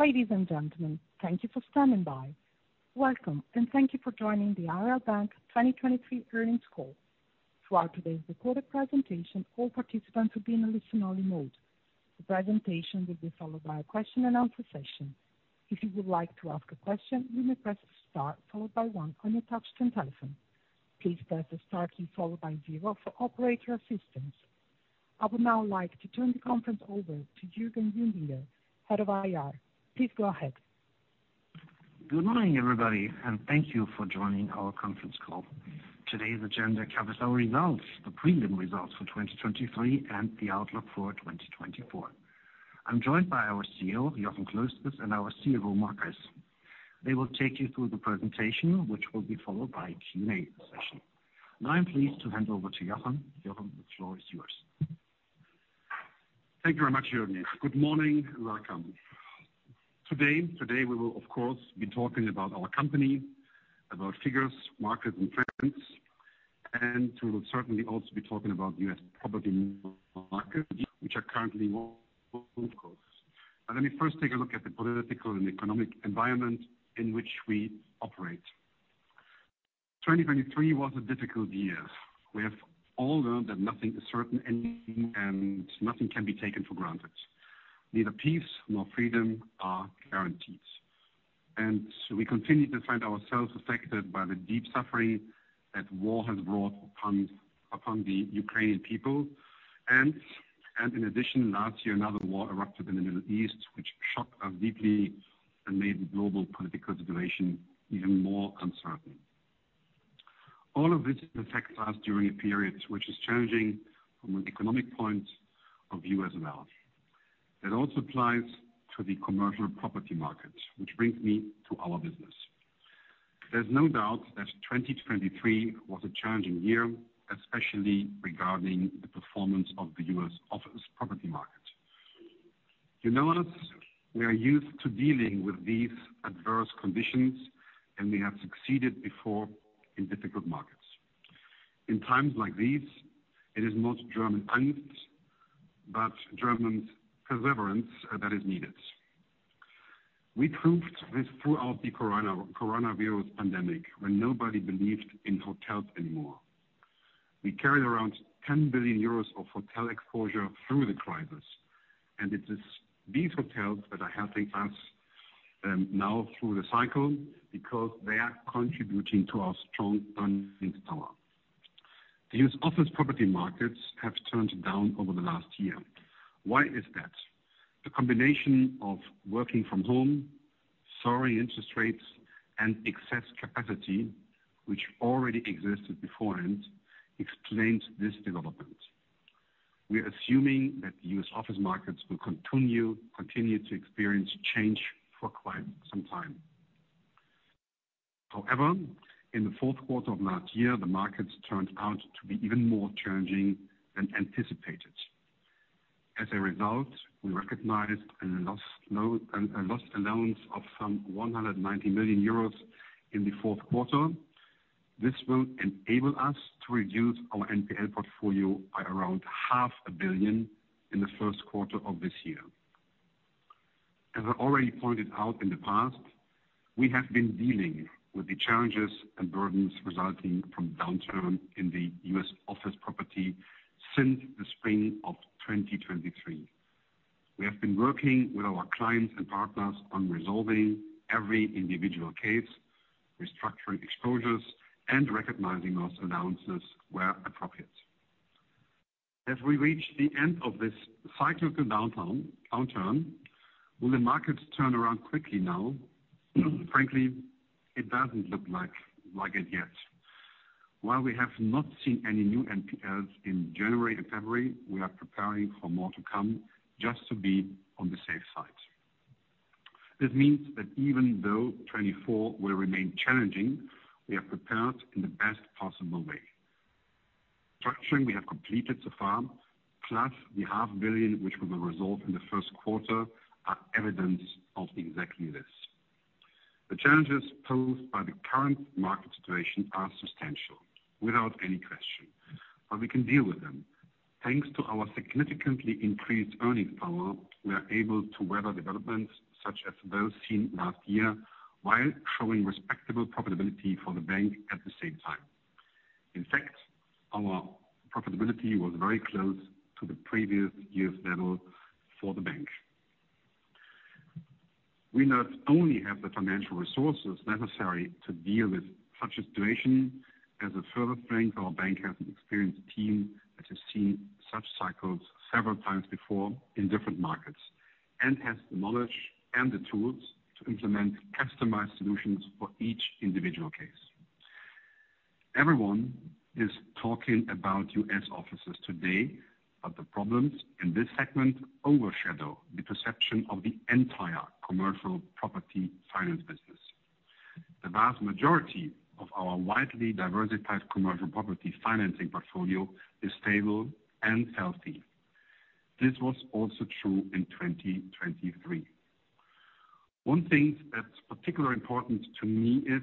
Ladies and gentlemen, thank you for standing by. Welcome, and thank you for joining the Aareal Bank 2023 earnings call. Throughout today's recorded presentation, all participants will be in a listen-only mode. The presentation will be followed by a question-and-answer session. If you would like to ask a question, you may press start followed by 1 on your touchscreen telephone. Please press the start key followed by 0 for operator assistance. I would now like to turn the conference over to Jürgen Junginger, Head of IR. Please go ahead. Good morning, everybody, and thank you for joining our conference call. Today's agenda covers our results, the prelim results for 2023, and the outlook for 2024. I'm joined by our CEO, Jochen Klösges, and our CFO, Marc Hess. They will take you through the presentation, which will be followed by a Q&A session. Now I'm pleased to hand over to Jochen. Jochen, the floor is yours. Thank you very much, Jürgen. Good morning and welcome. Today we will, of course, be talking about our company, about figures, markets, and trends, and we will certainly also be talking about U.S. property markets, which are currently warm, of course. But let me first take a look at the political and economic environment in which we operate. 2023 was a difficult year. We have all learned that nothing is certain and nothing can be taken for granted. Neither peace nor freedom are guaranteed. We continue to find ourselves affected by the deep suffering that war has brought upon the Ukrainian people. In addition, last year another war erupted in the Middle East, which shocked us deeply and made the global political situation even more uncertain. All of this affects us during a period which is challenging from an economic point of view as well. That also applies to the commercial property market, which brings me to our business. There's no doubt that 2023 was a challenging year, especially regarding the performance of the U.S. property market. You know us, we are used to dealing with these adverse conditions, and we have succeeded before in difficult markets. In times like these, it is not German angst, but German perseverance that is needed. We proved this throughout the coronavirus pandemic when nobody believed in hotels anymore. We carried around 10 billion euros of hotel exposure through the crisis, and it is these hotels that are helping us now through the cycle because they are contributing to our strong funding power. The U.S. office property markets have turned down over the last year. Why is that? The combination of working from home, soaring interest rates, and excess capacity, which already existed beforehand, explained this development. We are assuming that the U.S. office markets will continue to experience change for quite some time. However, in the fourth quarter of last year, the markets turned out to be even more challenging than anticipated. As a result, we recognized a loss allowance of some 190 million euros in the fourth quarter. This will enable us to reduce our NPL portfolio by around 500 million in the first quarter of this year. As I already pointed out in the past, we have been dealing with the challenges and burdens resulting from downturn in the U.S. office property since the spring of 2023. We have been working with our clients and partners on resolving every individual case, restructuring exposures, and recognizing loss allowances where appropriate. As we reach the end of this cyclical downturn, will the markets turn around quickly now? Frankly, it doesn't look like it yet. While we have not seen any new NPLs in January and February, we are preparing for more to come, just to be on the safe side. This means that even though 2024 will remain challenging, we are prepared in the best possible way. Structuring we have completed so far, plus the 500 million which we will resolve in the first quarter, are evidence of exactly this. The challenges posed by the current market situation are substantial, without any question. But we can deal with them. Thanks to our significantly increased earning power, we are able to weather developments such as those seen last year while showing respectable profitability for the bank at the same time. In fact, our profitability was very close to the previous year's level for the bank. We not only have the financial resources necessary to deal with such a situation, as a further strength, our bank has an experienced team that has seen such cycles several times before in different markets, and has the knowledge and the tools to implement customized solutions for each individual case. Everyone is talking about U.S. offices today, but the problems in this segment overshadow the perception of the entire commercial property finance business. The vast majority of our widely diversified commercial property financing portfolio is stable and healthy. This was also true in 2023. One thing that's particularly important to me is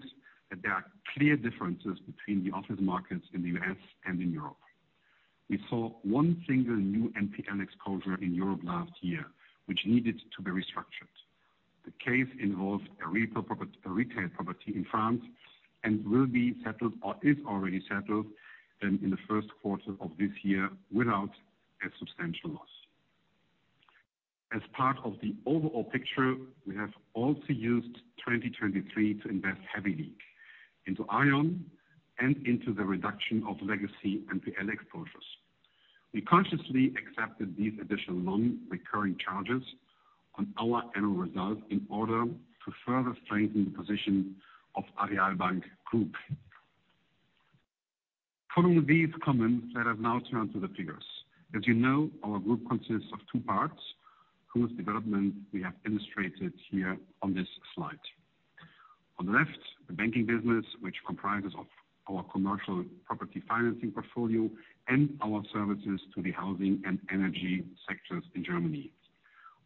that there are clear differences between the office markets in the U.S. and in Europe. We saw one single new NPL exposure in Europe last year, which needed to be restructured. The case involved a retail property in France and will be settled, or is already settled, in the first quarter of this year without a substantial loss. As part of the overall picture, we have also used 2023 to invest heavily into Aareon and into the reduction of legacy NPL exposures. We consciously accepted these additional non-recurring charges on our annual results in order to further strengthen the position of Aareal Bank Group. Following these comments, let us now turn to the figures. As you know, our group consists of two parts, whose development we have illustrated here on this slide. On the left, the banking business, which comprises our commercial property financing portfolio and our services to the housing and energy sectors in Germany.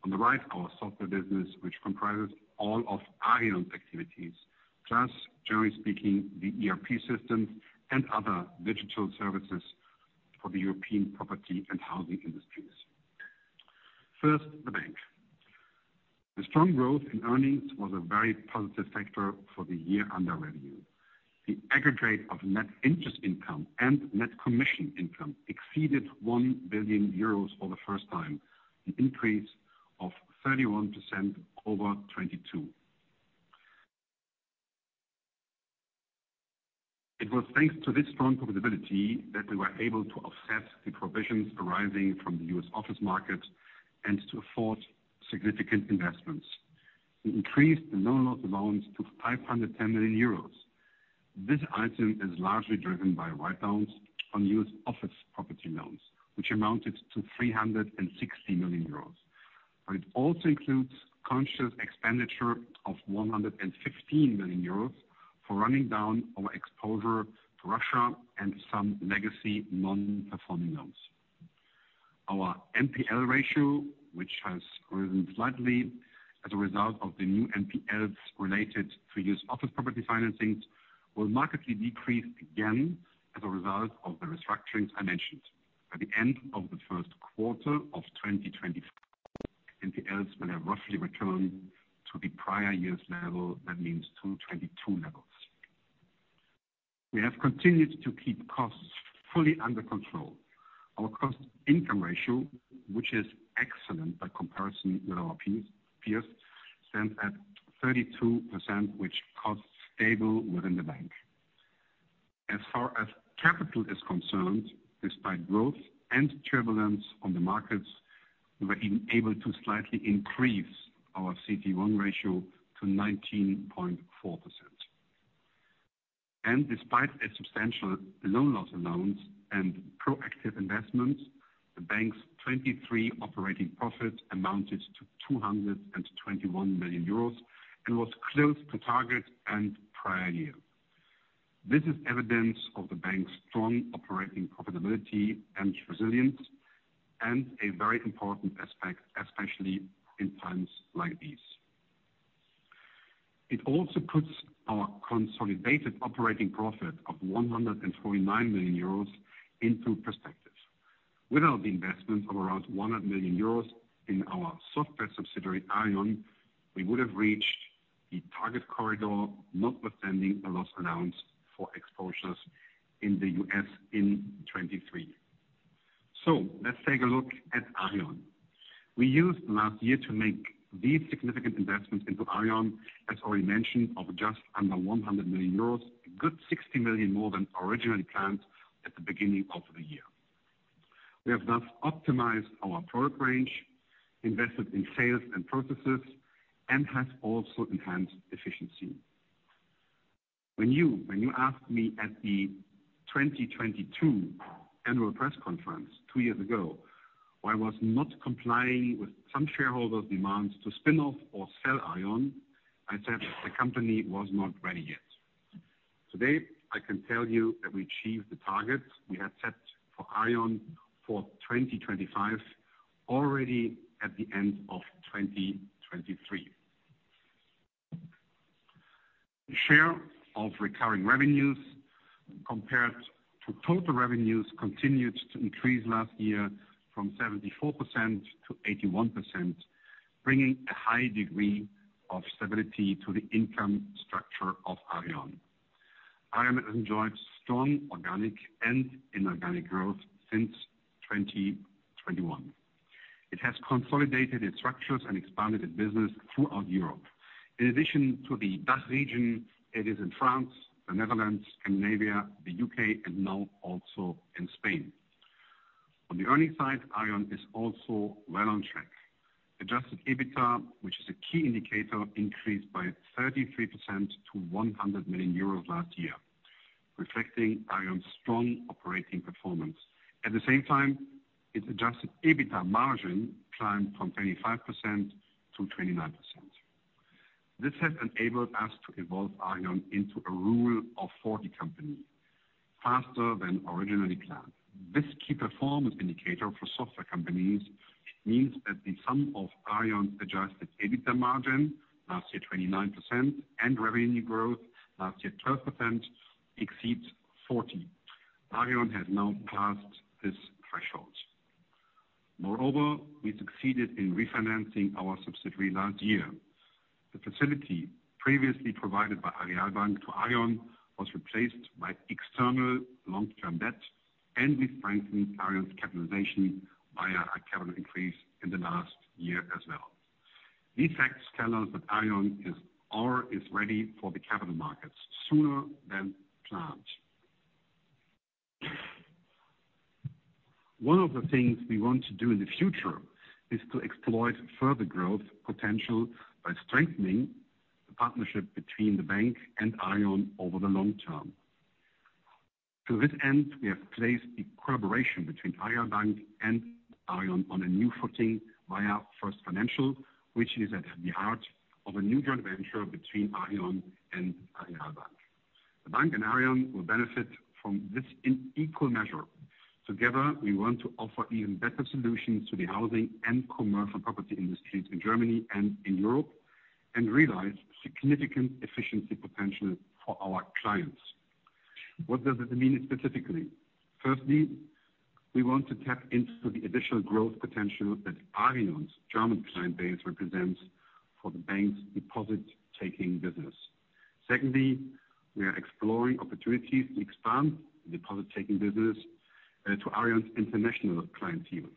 On the right, our software business, which comprises all of Aareon's activities, plus generally speaking, the ERP systems and other digital services for the European property and housing industries. First, the bank. The strong growth in earnings was a very positive factor for the year under review. The aggregate of net interest income and net commission income exceeded 1 billion euros for the first time, an increase of 31% over 2022. It was thanks to this strong profitability that we were able to offset the provisions arising from the U.S. office market and to afford significant investments. We increased the loan loss allowance to 510 million euros. This item is largely driven by write-downs on U.S. office property loans, which amounted to 360 million euros. But it also includes conscious expenditure of 115 million euros for running down our exposure to Russia and some legacy non-performing loans. Our NPL ratio, which has risen slightly as a result of the new NPLs related to U.S. office property financings, will markedly decrease again as a result of the restructurings I mentioned. By the end of the first quarter of 2025, NPLs will have roughly returned to the prior year's level, that means to 2022 levels. We have continued to keep costs fully under control. Our cost-income ratio, which is excellent by comparison with our peers, stands at 32%, with costs stable within the bank. As far as capital is concerned, despite growth and turbulence on the markets, we were even able to slightly increase our CET 1 ratio to 19.4%. Despite a substantial loan loss allowance and proactive investments, the bank's 2023 operating profit amounted to 221 million euros and was close to target and prior year. This is evidence of the bank's strong operating profitability and resilience, and a very important aspect, especially in times like these. It also puts our consolidated operating profit of EUR 149 million into perspective. Without the investment of around 100 million euros in our software subsidiary Aareon, we would have reached the target corridor, notwithstanding a loss allowance for exposures in the U.S. in 2023. So let's take a look at Aareon. We used last year to make these significant investments into Aareon, as already mentioned, of just under 100 million euros, a good 60 million more than originally planned at the beginning of the year. We have thus optimized our product range, invested in sales and processes, and have also enhanced efficiency. When you asked me at the 2022 annual press conference two years ago why I was not complying with some shareholders' demands to spin-off or sell Aareon, I said the company was not ready yet. Today, I can tell you that we achieved the targets we had set for Aareon for 2025 already at the end of 2023. The share of recurring revenues compared to total revenues continued to increase last year from 74%-81%, bringing a high degree of stability to the income structure of Aareon. Aareon has enjoyed strong organic and inorganic growth since 2021. It has consolidated its structures and expanded its business throughout Europe. In addition to the DACH region, it is in France, the Netherlands, Scandinavia, the U.K., and now also in Spain. On the earnings side, Aareon is also well on track. Adjusted EBITDA, which is a key indicator, increased by 33% to 100 million euros last year, reflecting Aareon's strong operating performance. At the same time, its adjusted EBITDA margin climbed from 25% to 29%. This has enabled us to evolve Aareon into a Rule of 40 company faster than originally planned. This key performance indicator for software companies means that the sum of Aareon's adjusted EBITDA margin, last year 29%, and revenue growth, last year 12%, exceeds 40. Aareon has now passed this threshold. Moreover, we succeeded in refinancing our subsidiary last year. The facility previously provided by Aareal Bank to Aareon was replaced by external long-term debt, and we strengthened Aareon's capitalization via a capital increase in the last year as well. These facts tell us that Aareon is or is ready for the capital markets sooner than planned. One of the things we want to do in the future is to exploit further growth potential by strengthening the partnership between the bank and Aareon over the long term. To this end, we have placed the collaboration between Aareal Bank and Aareon on a new footing via First Financial Software, which is at the heart of a new joint venture between Aareon and Aareal Bank. The bank and Aareon will benefit from this in equal measure. Together, we want to offer even better solutions to the housing and commercial property industries in Germany and in Europe, and realize significant efficiency potential for our clients. What does it mean specifically? Firstly, we want to tap into the additional growth potential that Aareon's German client base represents for the bank's deposit-taking business. Secondly, we are exploring opportunities to expand the deposit-taking business to Aareon's international clientele.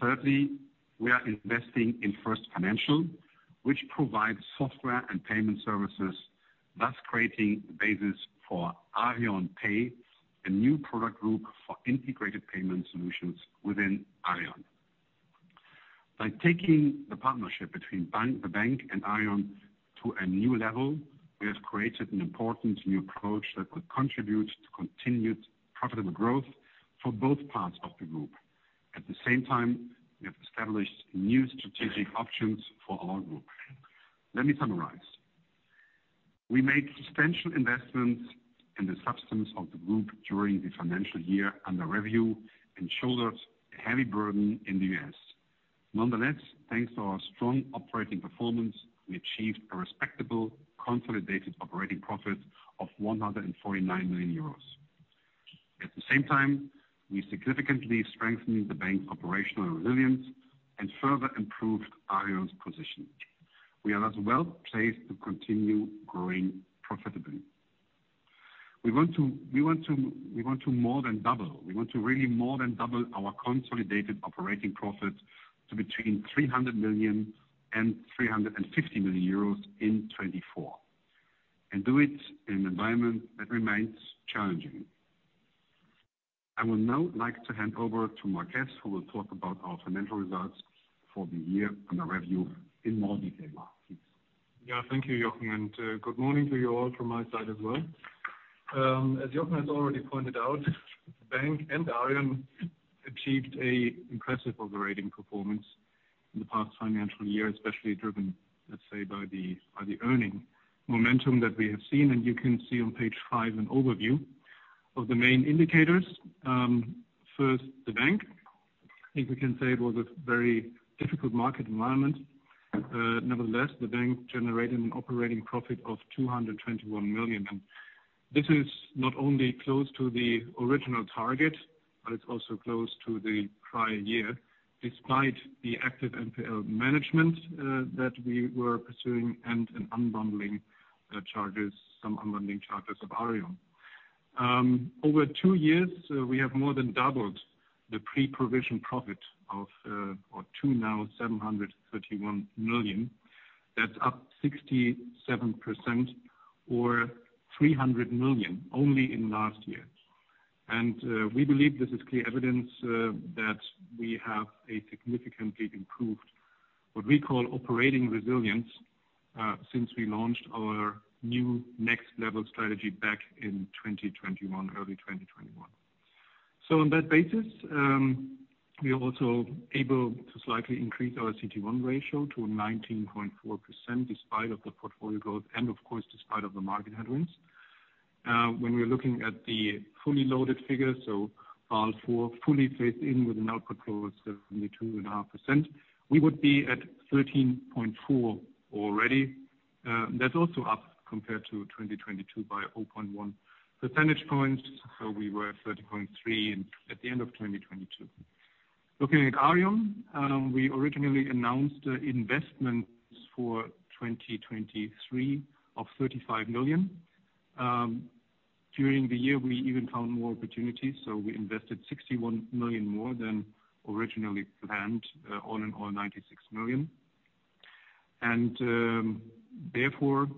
Thirdly, we are investing in First Financial Software, which provides software and payment services, thus creating the basis for Aareon Pay, a new product group for integrated payment solutions within Aareon. By taking the partnership between the bank and Aareon to a new level, we have created an important new approach that will contribute to continued profitable growth for both parts of the group. At the same time, we have established new strategic options for our group. Let me summarize. We made substantial investments in the substance of the group during the financial year under review and shouldered a heavy burden in the US. Nonetheless, thanks to our strong operating performance, we achieved a respectable, consolidated operating profit of 149 million euros. At the same time, we significantly strengthened the bank's operational resilience and further improved Aareon's position. We are thus well placed to continue growing profitably. We want to more than double. We want to really more than double our consolidated operating profit to between 300 million and 350 million euros in 2024, and do it in an environment that remains challenging. I would now like to hand over to Marc Hess, who will talk about our financial results for the year under review in more detail. Marc, please. Yeah, thank you, Jochen. And good morning to you all from my side as well. As Jochen has already pointed out, the bank and Aareon achieved an impressive operating performance in the past financial year, especially driven, let's say, by the earning momentum that we have seen. And you can see on page 5 an overview of the main indicators. First, the bank. I think we can say it was a very difficult market environment. Nevertheless, the bank generated an operating profit of 221 million. This is not only close to the original target, but it's also close to the prior year, despite the active NPL management that we were pursuing and an unbundling charges, some unbundling charges of Aareon. Over two years, we have more than doubled the pre-provision profit of, or to now, 731 million. That's up 67% or 300 million only in last year. We believe this is clear evidence that we have a significantly improved what we call operating resilience since we launched our new Next Level strategy back in 2021, early 2021. On that basis, we are also able to slightly increase our CET 1 ratio to 19.4% despite of the portfolio growth and, of course, despite of the market headwinds. When we're looking at the fully loaded figures, so Basel IV fully phased in with an RWA growth of 72.5%, we would be at 13.4 already. That's also up compared to 2022 by 0.1 percentage points. So we were at 30.3 at the end of 2022. Looking at Aareon, we originally announced investments for 2023 of 35 million. During the year, we even found more opportunities. So we invested 61 million more than originally planned, all in all, 96 million. And therefore,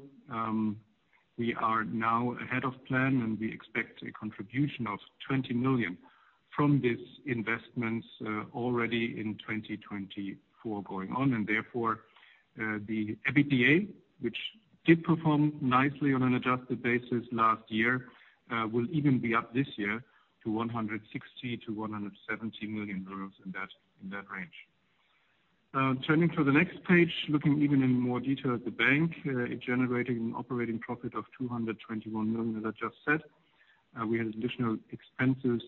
we are now ahead of plan, and we expect a contribution of 20 million from these investments already in 2024 going on. And therefore, the EBITDA, which did perform nicely on an adjusted basis last year, will even be up this year to 160 million-170 million euros in that range. Turning to the next page, looking even in more detail at the bank, it generated an operating profit of 221 million as I just said. We had additional expenses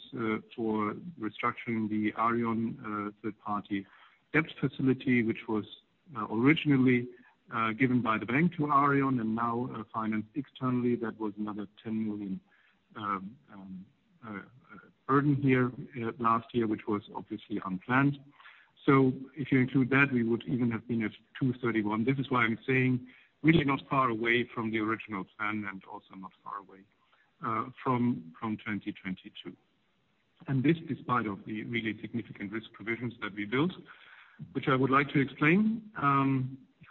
for restructuring the Aareon third-party debt facility, which was originally given by the bank to Aareon and now financed externally. That was another 10 million burden here last year, which was obviously unplanned. So if you include that, we would even have been at 231 million. This is why I'm saying really not far away from the original plan and also not far away from 2022. And this despite of the really significant risk provisions that we built, which I would like to explain.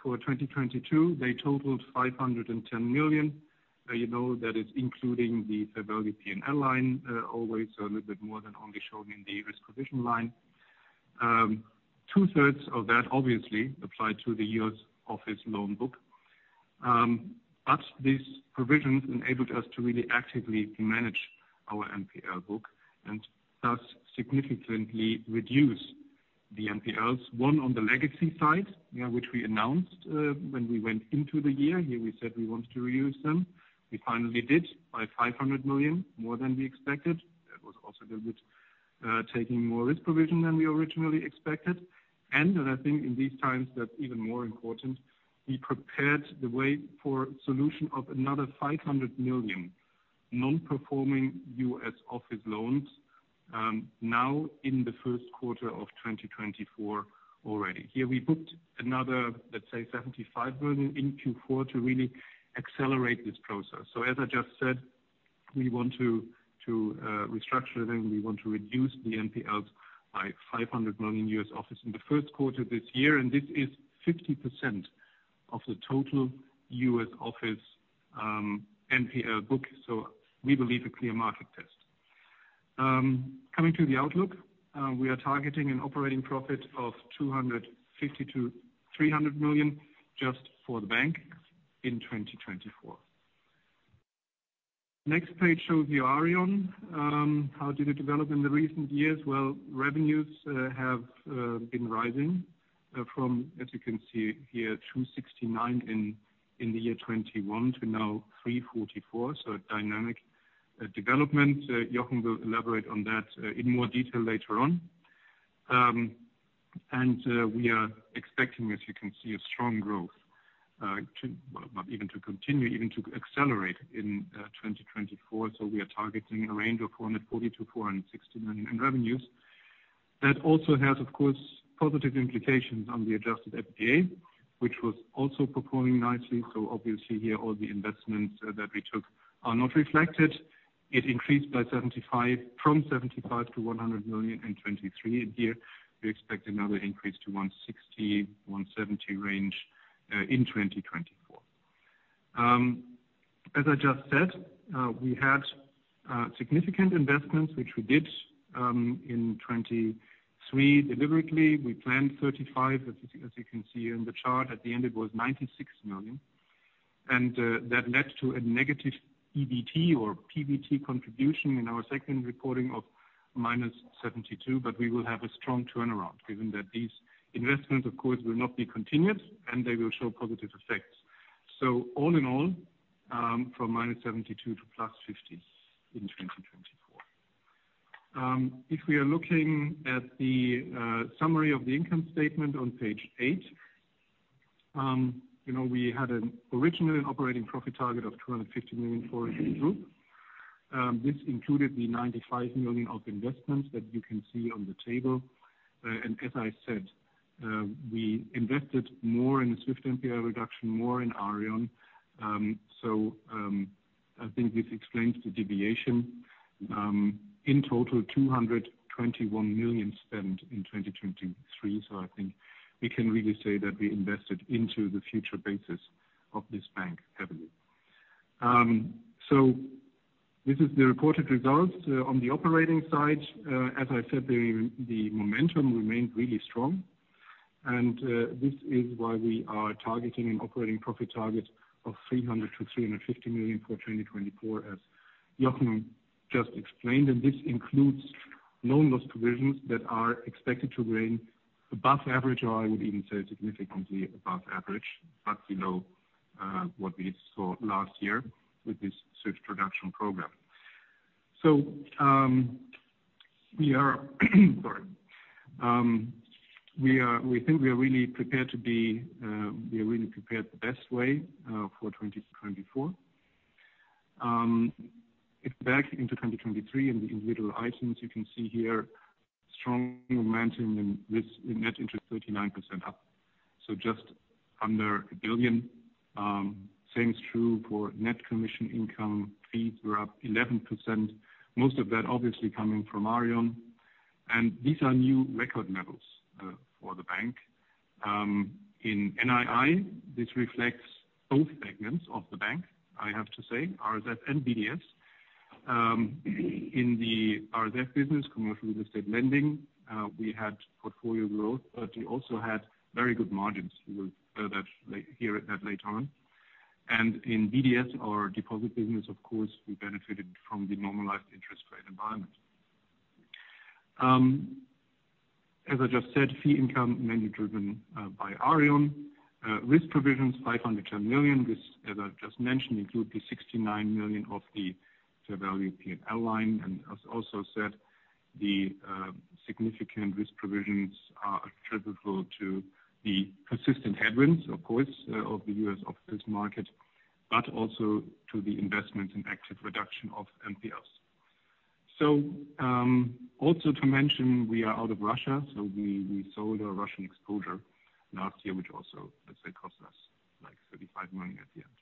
For 2022, they totaled 510 million. That is including the Fair Value P&L line always, so a little bit more than only shown in the risk provision line. Two-thirds of that, obviously, applied to the U.S. office loan book. But these provisions enabled us to really actively manage our NPL book and thus significantly reduce the NPLs, one on the legacy side, which we announced when we went into the year. Here, we said we wanted to reduce them. We finally did by 500 million, more than we expected. That was also a little bit taking more risk provision than we originally expected. And I think in these times, that's even more important; we prepared the way for solution of another 500 million non-performing U.S. office loans now in the first quarter of 2024 already. Here, we booked another, let's say, 75 million in Q4 to really accelerate this process. So as I just said, we want to restructure them. We want to reduce the NPLs by 500 million U.S. office in the first quarter this year. And this is 50% of the total U.S. office NPL book. So we believe a clear market test. Coming to the outlook, we are targeting an operating profit of 300 million just for the bank in 2024. Next page shows you Aareon. How did it develop in the recent years? Well, revenues have been rising from, as you can see here, 269 million in the year 2021 to now 344 million. So a dynamic development. Jochen will elaborate on that in more detail later on. And we are expecting, as you can see, a strong growth, not even to continue, even to accelerate in 2024. So we are targeting a range of 440 million- 469 million in revenues. That also has, of course, positive implications on the adjusted EBITDA, which was also performing nicely. So obviously, here, all the investments that we took are not reflected. It increased by 75 from 75 million to 100 million in 2023. Here, we expect another increase to the 160 million-170 million range in 2024. As I just said, we had significant investments, which we did in 2023 deliberately. We planned 35, as you can see in the chart. At the end, it was 96 million. And that led to a negative EBT or PBT contribution in our second reporting of -72 million. But we will have a strong turnaround given that these investments, of course, will not be continued, and they will show positive effects. So all in all, from -72 million to +50 million in 2024. If we are looking at the summary of the income statement on page eight, we had an original and operating profit target of 250 million for the group. This included the 95 million of investments that you can see on the table. As I said, we invested more in a swift NPL reduction, more in Aareon. So I think this explains the deviation. In total, 221 million spent in 2023. So I think we can really say that we invested into the future basis of this bank heavily. So this is the reported results on the operating side. As I said, the momentum remained really strong. And this is why we are targeting an operating profit target of 300-350 million for 2024, as Jochen just explained. And this includes loan loss provisions that are expected to remain above average, or I would even say significantly above average, but below what we saw last year with this swift reduction program. So we are sorry. We think we are really prepared to be we are really prepared the best way for 2024. Back into 2023 and the individual items, you can see here, strong momentum and net interest 39% up, so just under 1 billion. Same is true for net commission income. Fees were up 11%, most of that obviously coming from Aareon. And these are new record levels for the bank. In NII, this reflects both segments of the bank, I have to say, RSF and BDS. In the RSF business, commercial real estate lending, we had portfolio growth, but we also had very good margins. You will hear that later on. And in BDS, our deposit business, of course, we benefited from the normalized interest rate environment. As I just said, fee income mainly driven by Aareon. Risk provisions, 510 million. This, as I just mentioned, includes the 69 million of the Fair Value P&L line. As also said, the significant risk provisions are attributable to the persistent headwinds, of course, of the U.S. office market, but also to the investments in active reduction of NPLs. So also to mention, we are out of Russia. So we sold our Russian exposure last year, which also, let's say, cost us like 35 million at the end.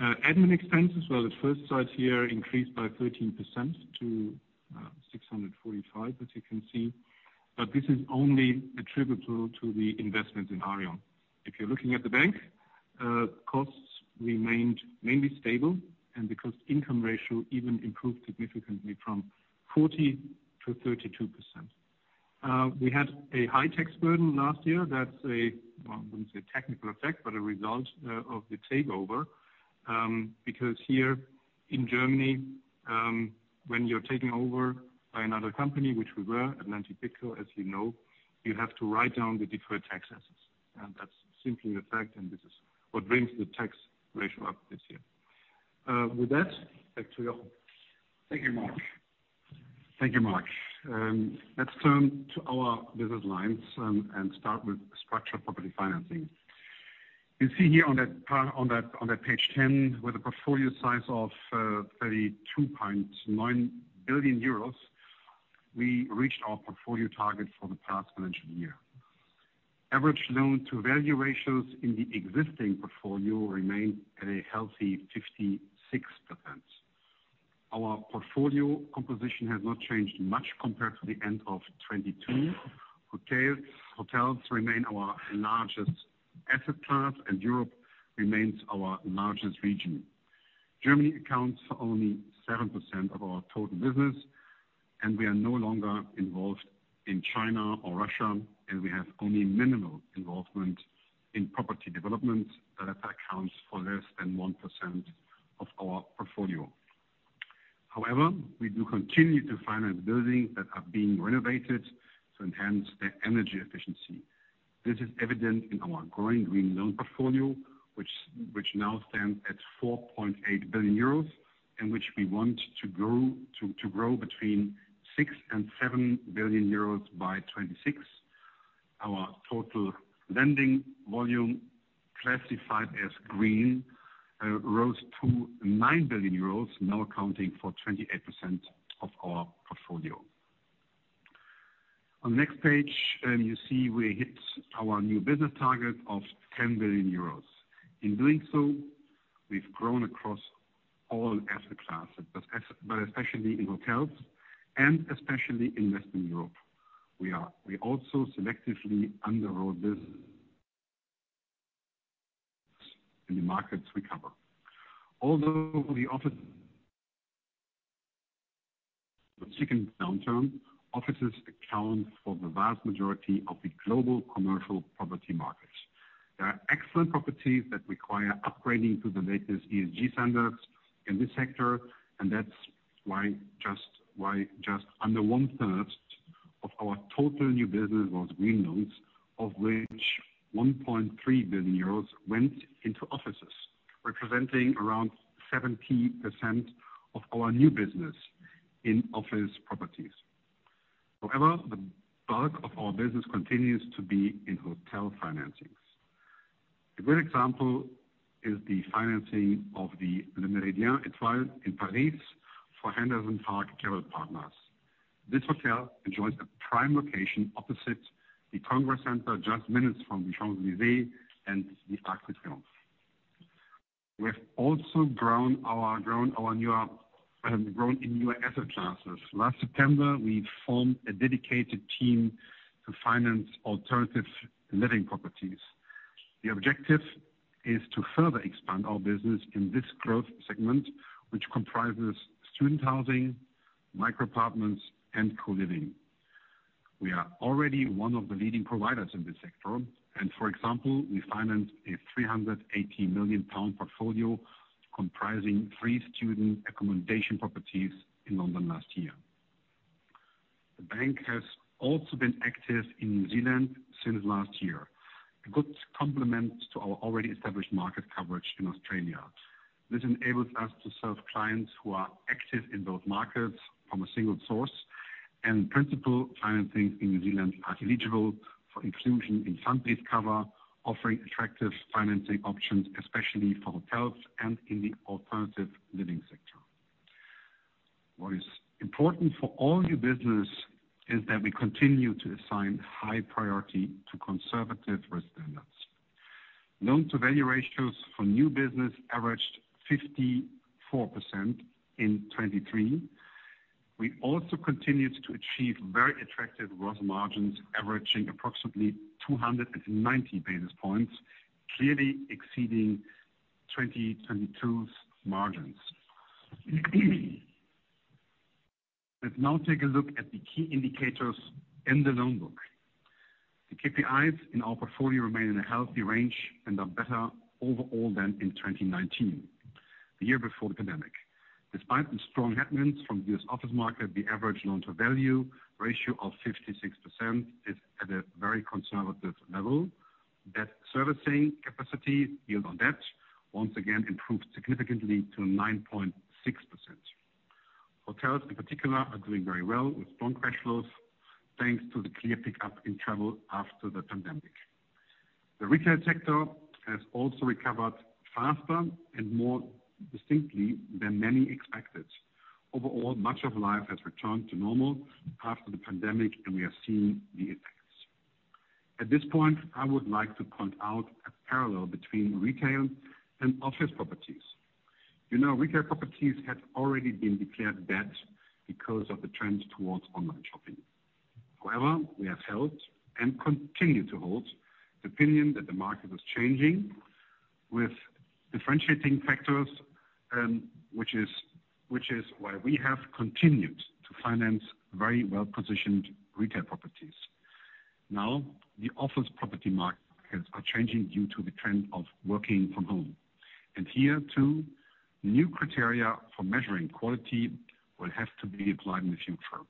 Admin expenses, well, at first sight here, increased by 13% to 645 million, as you can see. But this is only attributable to the investments in Aareon. If you're looking at the bank, costs remained mainly stable. The cost-income ratio even improved significantly from 40% to 32%. We had a high tax burden last year. That's a, well, I wouldn't say technical effect, but a result of the takeover. Because here in Germany, when you're taken over by another company, which we were, Atlantic BidCo, as you know, you have to write down the deferred tax assets. And that's simply the fact. And this is what brings the tax ratio up this year. With that, back to Jochen. Thank you, Marc. Thank you, Marc. Let's turn to our business lines and start with structured property financing. You see here on that page 10, with a portfolio size of 32.9 billion euros, we reached our portfolio target for the past financial year. Average loan-to-value ratios in the existing portfolio remain at a healthy 56%. Our portfolio composition has not changed much compared to the end of 2022. Hotels remain our largest asset class, and Europe remains our largest region. Germany accounts for only 7% of our total business. And we are no longer involved in China or Russia. We have only minimal involvement in property development that accounts for less than 1% of our portfolio. However, we do continue to finance buildings that are being renovated to enhance their energy efficiency. This is evident in our growing green loan portfolio, which now stands at 4.8 billion euros and which we want to grow between 6 billion and 7 billion euros by 2026. Our total lending volume, classified as green, rose to 9 billion euros, now accounting for 28% of our portfolio. On the next page, you see we hit our new business target of 10 billion euros. In doing so, we've grown across all asset classes, but especially in hotels and especially in Western Europe. We also selectively underwrote this in the markets we cover. Although the office the second downturn, offices account for the vast majority of the global commercial property markets. There are excellent properties that require upgrading to the latest ESG standards in this sector. That's why just under 1/3 of our total new business was green loans, of which 1.3 billion euros went into offices, representing around 70% of our new business in office properties. However, the bulk of our business continues to be in hotel financings. A good example is the financing of the Le Méridien Étoile in Paris for Henderson Park. This hotel enjoys a prime location opposite the Congress Center, just minutes from the Champs-Élysées and the Arc de Triomphe. We have also grown in newer asset classes. Last September, we formed a dedicated team to finance alternative living properties. The objective is to further expand our business in this growth segment, which comprises student housing, micro-apartments, and co-living. We are already one of the leading providers in this sector. For example, we financed a 380 million pound portfolio comprising three student accommodation properties in London last year. The bank has also been active in New Zealand since last year, a good complement to our already established market coverage in Australia. This enables us to serve clients who are active in both markets from a single source. Principal financings in New Zealand are eligible for inclusion in fund-based cover, offering attractive financing options, especially for hotels and in the alternative living sector. What is important for all new business is that we continue to assign high priority to conservative risk standards. Loan-to-value ratios for new business averaged 54% in 2023. We also continued to achieve very attractive gross margins, averaging approximately 290 basis points, clearly exceeding 2022's margins. Let's now take a look at the key indicators in the loan book. The KPIs in our portfolio remain in a healthy range and are better overall than in 2019, the year before the pandemic. Despite the strong headwinds from the U.S. office market, the average loan-to-value ratio of 56% is at a very conservative level. Debt servicing capacity, yield on debt, once again improved significantly to 9.6%. Hotels, in particular, are doing very well with strong cash flows thanks to the clear pickup in travel after the pandemic. The retail sector has also recovered faster and more distinctly than many expected. Overall, much of life has returned to normal after the pandemic, and we are seeing the effects. At this point, I would like to point out a parallel between retail and office properties. Retail properties had already been declared dead because of the trend towards online shopping. However, we have held and continue to hold the opinion that the market is changing, with differentiating factors, which is why we have continued to finance very well-positioned retail properties. Now, the office property markets are changing due to the trend of working from home. And here, too, new criteria for measuring quality will have to be applied in the future.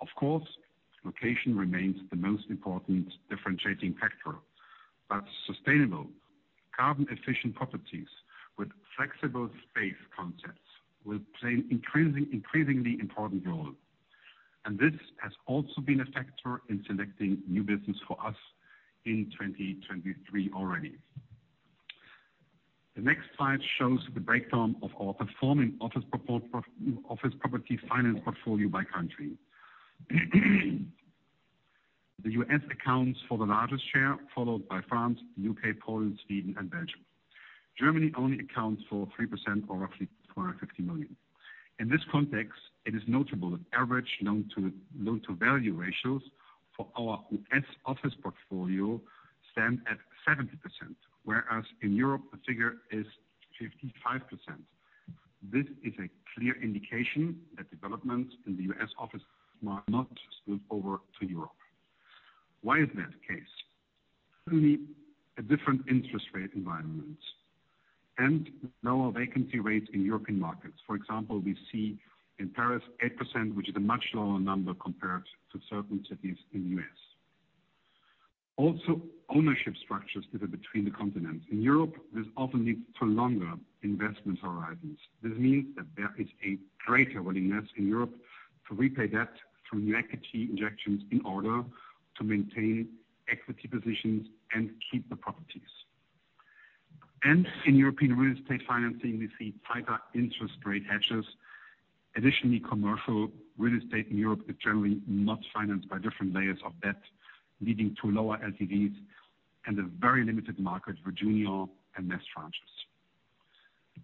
Of course, location remains the most important differentiating factor. But sustainable, carbon-efficient properties with flexible space concepts will play an increasingly important role. And this has also been a factor in selecting new business for us in 2023 already. The next slide shows the breakdown of our performing office property finance portfolio by country. The U.S. accounts for the largest share, followed by France, the U.K., Poland, Sweden, and Belgium. Germany only accounts for 3% or roughly 250 million. In this context, it is notable that average loan-to-value ratios for our U.S. office portfolio stand at 70%, whereas in Europe, the figure is 55%. This is a clear indication that developments in the U.S. office market are not spilled over to Europe. Why is that case? Certainly, a different interest rate environment and lower vacancy rates in European markets. For example, we see in Paris 8%, which is a much lower number compared to certain cities in the U.S. Also, ownership structures differ between the continents. In Europe, this often leads to longer investment horizons. This means that there is a greater willingness in Europe to repay debt through new equity injections in order to maintain equity positions and keep the properties. In European real estate financing, we see tighter interest rate hedges. Additionally, commercial real estate in Europe is generally not financed by different layers of debt, leading to lower LTVs and a very limited market for junior and mezz tranches.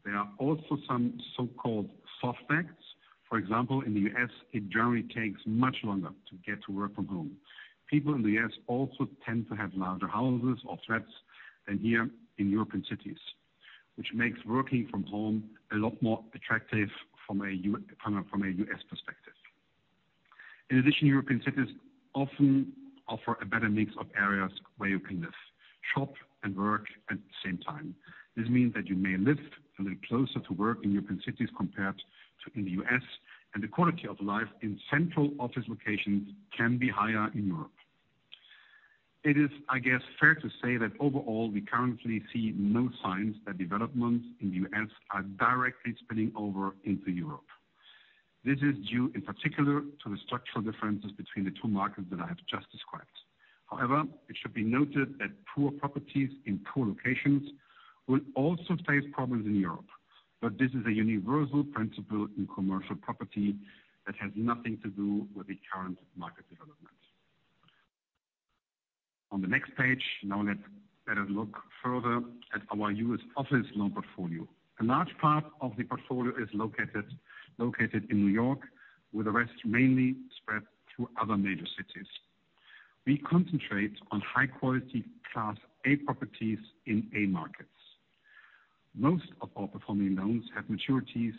There are also some so-called soft facts. For example, in the U.S., it generally takes much longer to get to work from home. People in the U.S. also tend to have larger houses or flats than here in European cities, which makes working from home a lot more attractive from a U.S. perspective. In addition, European cities often offer a better mix of areas where you can live, shop, and work at the same time. This means that you may live a little closer to work in European cities compared to in the U.S.. The quality of life in central office locations can be higher in Europe. It is, I guess, fair to say that overall, we currently see no signs that developments in the U.S. are directly spilling over into Europe. This is due, in particular, to the structural differences between the two markets that I have just described. However, it should be noted that poor properties in poor locations will also face problems in Europe. But this is a universal principle in commercial property that has nothing to do with the current market development. On the next page, now let's take a look further at our U.S. office loan portfolio. A large part of the portfolio is located in New York, with the rest mainly spread through other major cities. We concentrate on high-quality Class A properties in A markets. Most of our performing loans have maturities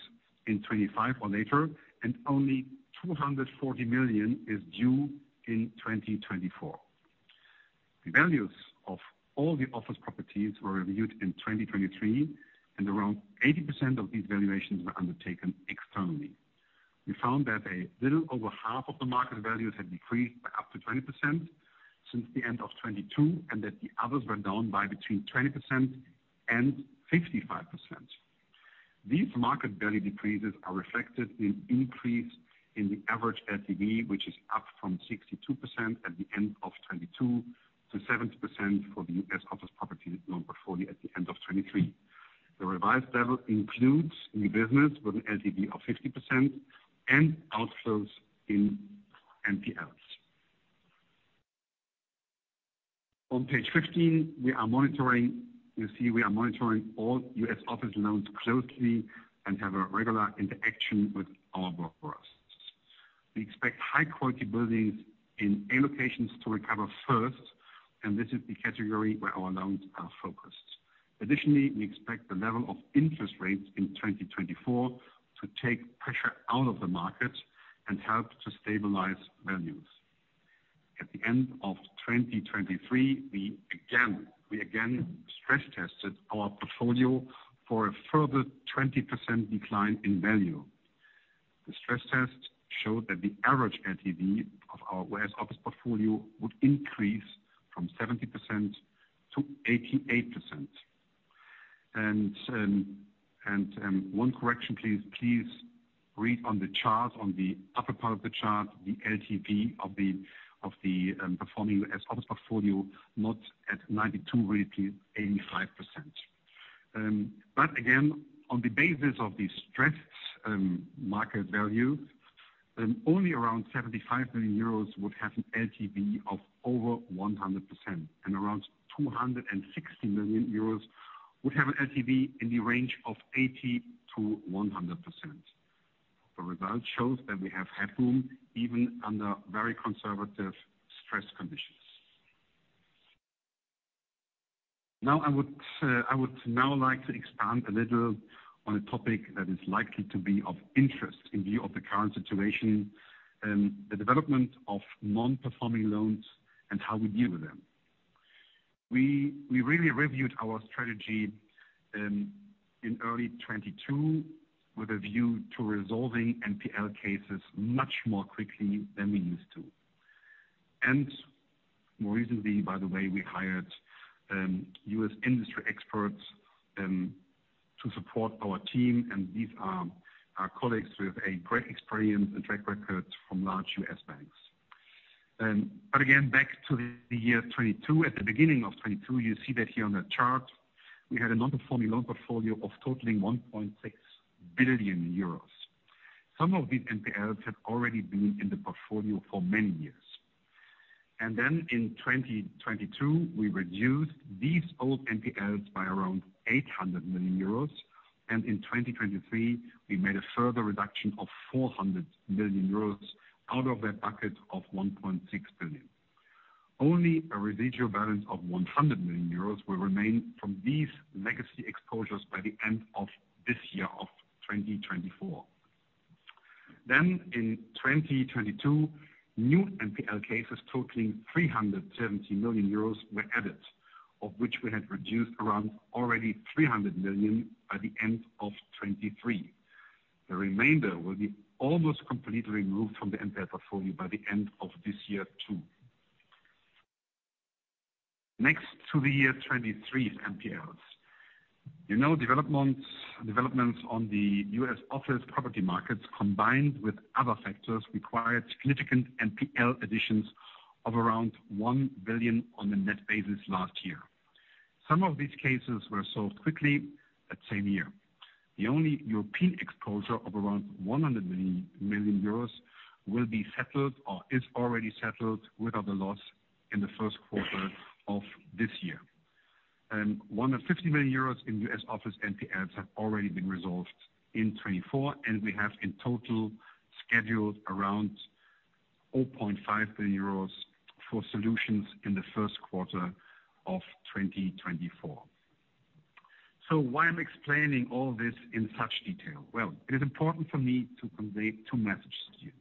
in 2025 or later, and only 240 million is due in 2024. The values of all the office properties were reviewed in 2023, and around 80% of these valuations were undertaken externally. We found that a little over half of the market values had decreased by up to 20% since the end of 2022 and that the others were down by between 20% and 55%. These market value decreases are reflected in an increase in the average LTV, which is up from 62% at the end of 2022 to 70% for the U.S. office property loan portfolio at the end of 2023. The revised level includes new business with an LTV of 50% and outflows in NPLs. On page 15, you see we are monitoring all U.S. office loans closely and have regular interaction with our borrowers. We expect high-quality buildings in A locations to recover first. And this is the category where our loans are focused. Additionally, we expect the level of interest rates in 2024 to take pressure out of the market and help to stabilize values. At the end of 2023, we again stress-tested our portfolio for a further 20% decline in value. The stress test showed that the average LTV of our U.S. office portfolio would increase from 70%-88%. One correction, please. Please read on the chart, on the upper part of the chart, the LTV of the performing U.S. office portfolio, not at 92%, really, please, 85%. But again, on the basis of the stressed market value, only around 75 million euros would have an LTV of over 100%, and around 260 million euros would have an LTV in the range of 80%-100%. The result shows that we have headroom even under very conservative stress conditions. Now, I would now like to expand a little on a topic that is likely to be of interest in view of the current situation, the development of non-performing loans, and how we deal with them. We really reviewed our strategy in early 2022 with a view to resolving NPL cases much more quickly than we used to. And more recently, by the way, we hired U.S. industry experts to support our team. And these are our colleagues with great experience and track records from large U.S. banks. But again, back to the year 2022. At the beginning of 2022, you see that here on the chart, we had a non-performing loan portfolio of totaling 1.6 billion euros. Some of these NPLs had already been in the portfolio for many years. And then in 2022, we reduced these old NPLs by around 800 million euros. In 2023, we made a further reduction of 400 million euros out of that bucket of 1.6 billion. Only a residual balance of 100 million euros will remain from these legacy exposures by the end of this year of 2024. In 2022, new NPL cases totaling 370 million euros were added, of which we had reduced around already 300 million by the end of 2023. The remainder will be almost completely removed from the NPL portfolio by the end of this year, too. Next to the year 2023's NPLs, developments on the U.S. office property markets, combined with other factors, required significant NPL additions of around 1 billion on a net basis last year. Some of these cases were solved quickly that same year. The only European exposure of around 100 million euros will be settled or is already settled without a loss in the first quarter of this year. 150 million in U.S. office NPLs have already been resolved in 2024, and we have in total scheduled around 0.5 billion euros for solutions in the first quarter of 2024. So why am I explaining all this in such detail? Well, it is important for me to convey two messages to you.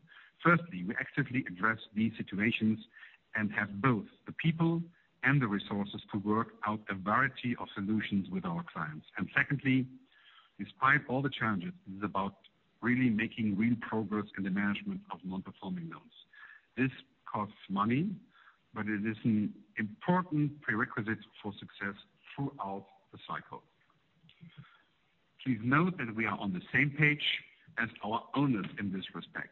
Firstly, we actively address these situations and have both the people and the resources to work out a variety of solutions with our clients. And secondly, despite all the challenges, it is about really making real progress in the management of non-performing loans. This costs money, but it is an important prerequisite for success throughout the cycle. Please note that we are on the same page as our owners in this respect.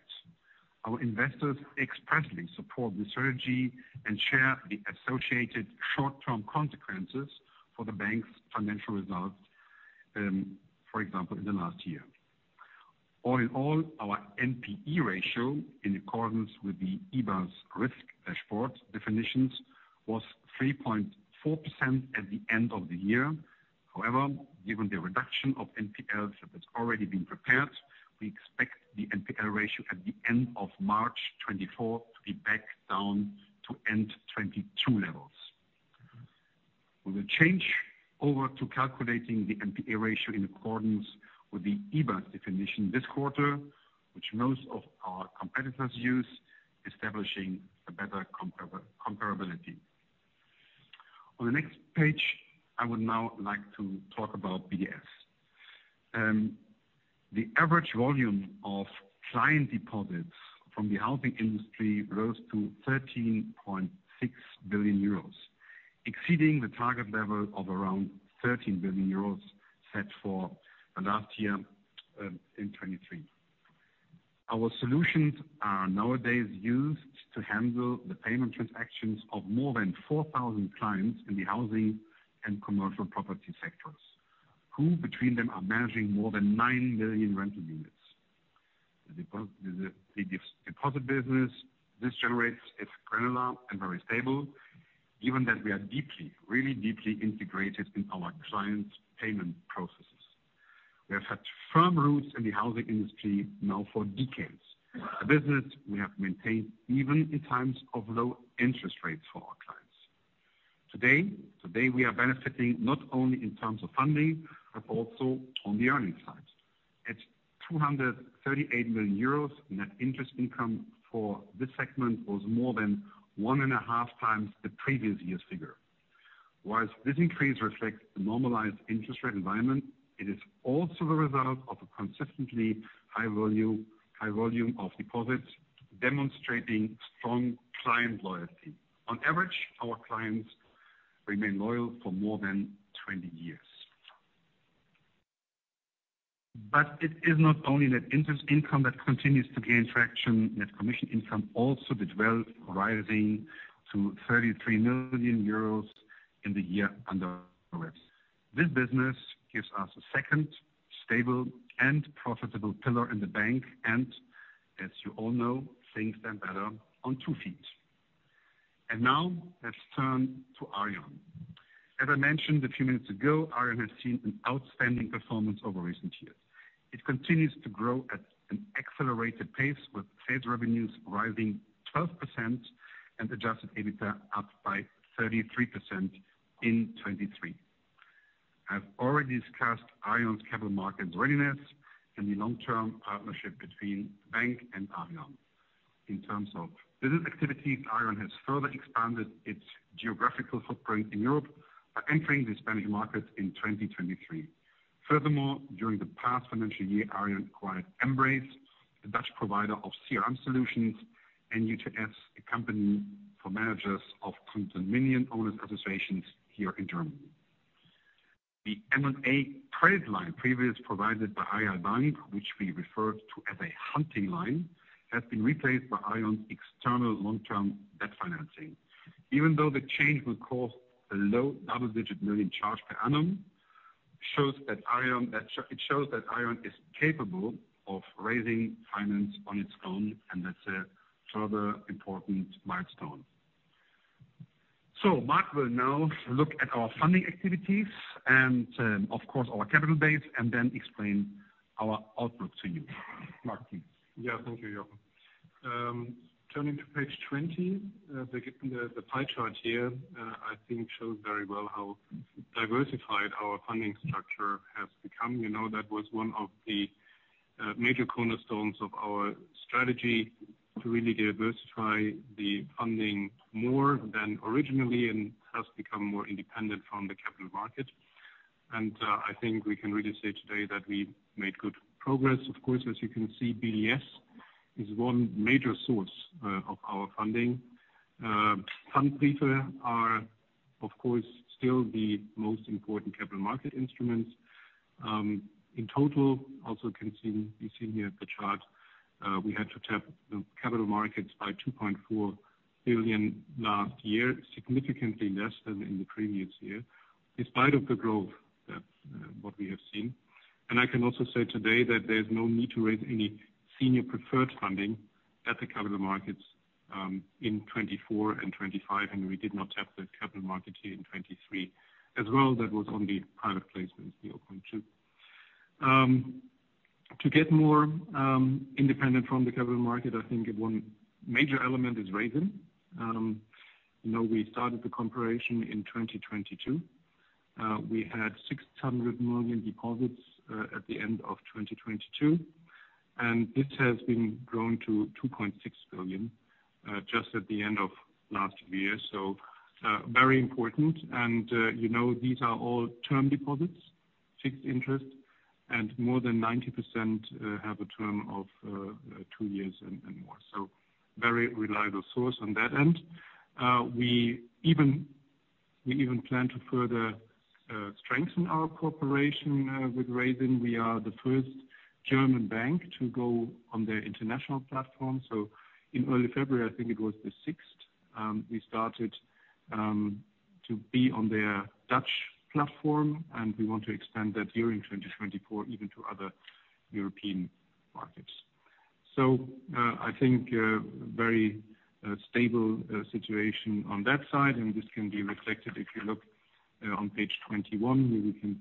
Our investors expressly support the strategy and share the associated short-term consequences for the bank's financial results, for example, in the last year. All in all, our NPE ratio, in accordance with the EBA's risk dashboard definitions, was 3.4% at the end of the year. However, given the reduction of NPLs that has already been prepared, we expect the NPL ratio at the end of March 2024 to be back down to end 2022 levels. We will change over to calculating the NPE ratio in accordance with the EBA's definition this quarter, which most of our competitors use, establishing a better comparability. On the next page, I would now like to talk about BDS. The average volume of client deposits from the housing industry rose to 13.6 billion euros, exceeding the target level of around 13 billion euros set for last year in 2023. Our solutions are nowadays used to handle the payment transactions of more than 4,000 clients in the housing and commercial property sectors, who, between them, are managing more than 9 million rental units. The deposit business this generates is granular and very stable, given that we are deeply, really deeply integrated in our clients' payment processes. We have had firm roots in the housing industry now for decades, a business we have maintained even in times of low interest rates for our clients. Today, we are benefiting not only in terms of funding but also on the earnings side. At 238 million euros, net interest income for this segment was more than one and a half times the previous year's figure. While this increase reflects a normalized interest rate environment, it is also the result of a consistently high volume of deposits, demonstrating strong client loyalty. On average, our clients remain loyal for more than 20 years. But it is not only net interest income that continues to gain traction. Net commission income also did well, rising to 33 million euros in the year under review. This business gives us a second, stable, and profitable pillar in the bank and, as you all know, things stand better on two feet. Now let's turn to Aareon. As I mentioned a few minutes ago, Aareon has seen an outstanding performance over recent years. It continues to grow at an accelerated pace, with sales revenues rising 12% and adjusted EBITDA up by 33% in 2023. I've already discussed Aareon's capital markets readiness and the long-term partnership between the bank and Aareon. In terms of business activities, Aareon has further expanded its geographical footprint in Europe by entering the Spanish market in 2023. Furthermore, during the past financial year, Aareal acquired Embrace, the Dutch provider of CRM solutions, and UTS, a company for managers of Condominium Owners' Associations here in Germany. The M&A credit line previously provided by Aareal Bank, which we referred to as a hunting line, has been replaced by Aareal's external long-term debt financing. Even though the change will cost a low double-digit million EUR charge per annum, it shows that Aareal is capable of raising finance on its own, and that's a further important milestone. So Marc will now look at our funding activities and, of course, our capital base, and then explain our outlook to you. Marc, please. Yeah, thank you, Jochen. Turning to page 20, the pie chart here, I think, shows very well how diversified our funding structure has become. That was one of the major cornerstones of our strategy to really diversify the funding more than originally and has become more independent from the capital market. I think we can really say today that we made good progress. Of course, as you can see, BDS is one major source of our funding. Pfandbriefe are, of course, still the most important capital market instruments. In total, also you can see here at the chart, we had to tap capital markets by 2.4 billion last year, significantly less than in the previous year, despite the growth, what we have seen. And I can also say today that there's no need to raise any senior preferred funding at the capital markets in 2024 and 2025, and we did not tap the capital market here in 2023 as well. That was only private placements, the 0.2. To get more independent from the capital market, I think one major element is raising. We started the comparison in 2022. We had 600 million deposits at the end of 2022, and this has been grown to 2.6 billion just at the end of last year. So very important. And these are all term deposits, fixed interest, and more than 90% have a term of two years and more. So very reliable source on that end. We even plan to further strengthen our cooperation with Raisin. We are the first German bank to go on their international platform. So in early February, I think it was the 6th, we started to be on their Dutch platform, and we want to expand that during 2024 even to other European markets. So I think very stable situation on that side. And this can be reflected if you look on page 21. Here you can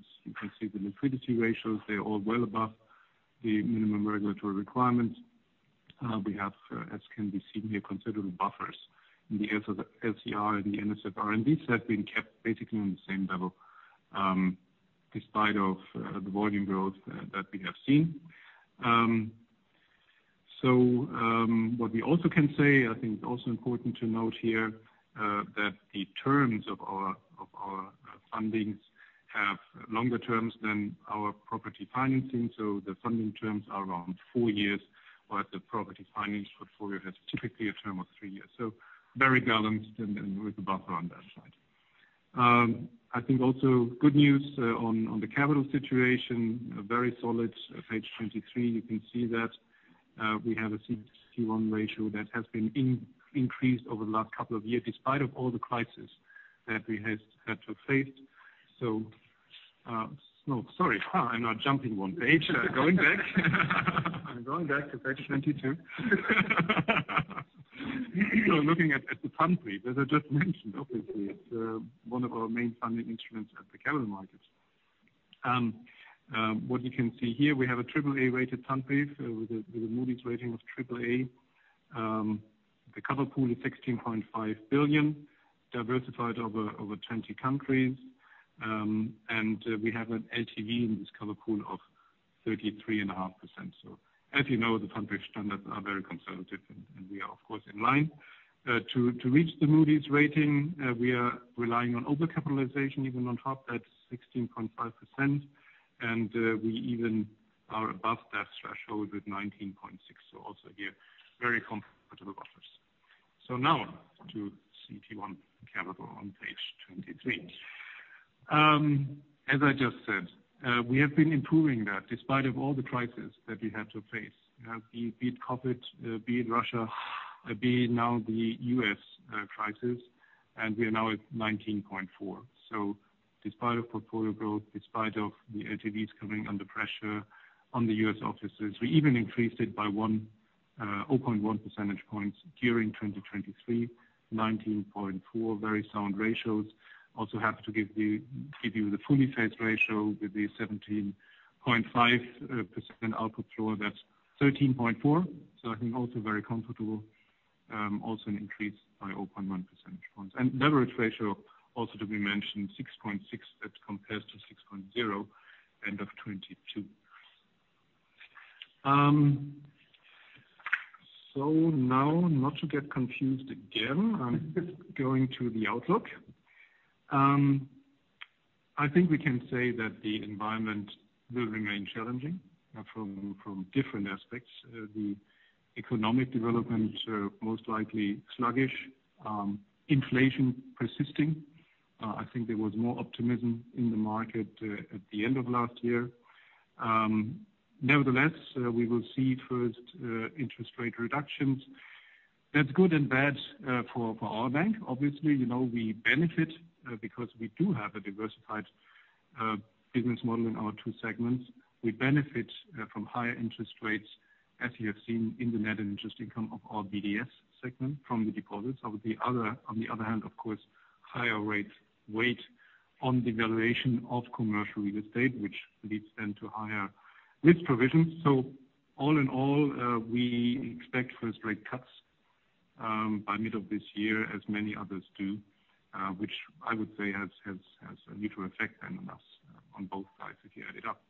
see the liquidity ratios. They're all well above the minimum regulatory requirements. We have, as can be seen here, considerable buffers. The LCR and the NSFR have been kept basically on the same level despite the volume growth that we have seen. So what we also can say, I think it's also important to note here, that the terms of our fundings have longer terms than our property financing. So the funding terms are around four years, whereas the property finance portfolio has typically a term of three years. So very balanced and with a buffer on that side. I think also good news on the capital situation, very solid. Page 23, you can see that we have a CET 1 ratio that has been increased over the last couple of years despite all the crises that we have had to face. So no, sorry. I'm not jumping one page. I'm going back. I'm going back to page 22. Looking at the Pfandbriefe, as I just mentioned, obviously, it's one of our main funding instruments at the capital markets. What you can see here, we have a AAA-rated Pfandbriefe with a Moody's rating of AAA. The cover pool is 16.5 billion, diversified over 20 countries, and we have an LTV in this cover pool of 33.5%. So as you know, the Pfandbriefe standards are very conservative, and we are, of course, in line. To reach the Moody's rating, we are relying on over-capitalization even on top. That's 16.5%. And we even are above that threshold with 19.6%. So also here, very comfortable buffers. So now to CET 1 capital on page 23. As I just said, we have been improving that despite all the crisis that we had to face, be it COVID, be it Russia, be it now the U.S. crisis. And we are now at 19.4%. So despite portfolio growth, despite the LTVs coming under pressure on the U.S. offices, we even increased it by 0.1 percentage points during 2023, 19.4%, very sound ratios. Also happy to give you the fully loaded ratio with the 17.5% output floor. That's 13.4%. So I think also very comfortable, also an increase by 0.1 percentage points. And leverage ratio, also to be mentioned, 6.6% that compares to 6.0% end of 2022. So now, not to get confused again, I'm going to the outlook. I think we can say that the environment will remain challenging from different aspects. The economic development, most likely sluggish, inflation persisting. I think there was more optimism in the market at the end of last year. Nevertheless, we will see first interest rate reductions. That's good and bad for our bank, obviously. We benefit because we do have a diversified business model in our two segments. We benefit from higher interest rates, as you have seen in the net interest income of our BDS segment from the deposits. On the other hand, of course, higher rate weight on the valuation of commercial real estate, which leads then to higher risk provisions. So all in all, we expect first rate cuts by mid of this year, as many others do, which I would say has a neutral effect then on us on both sides if you add it up.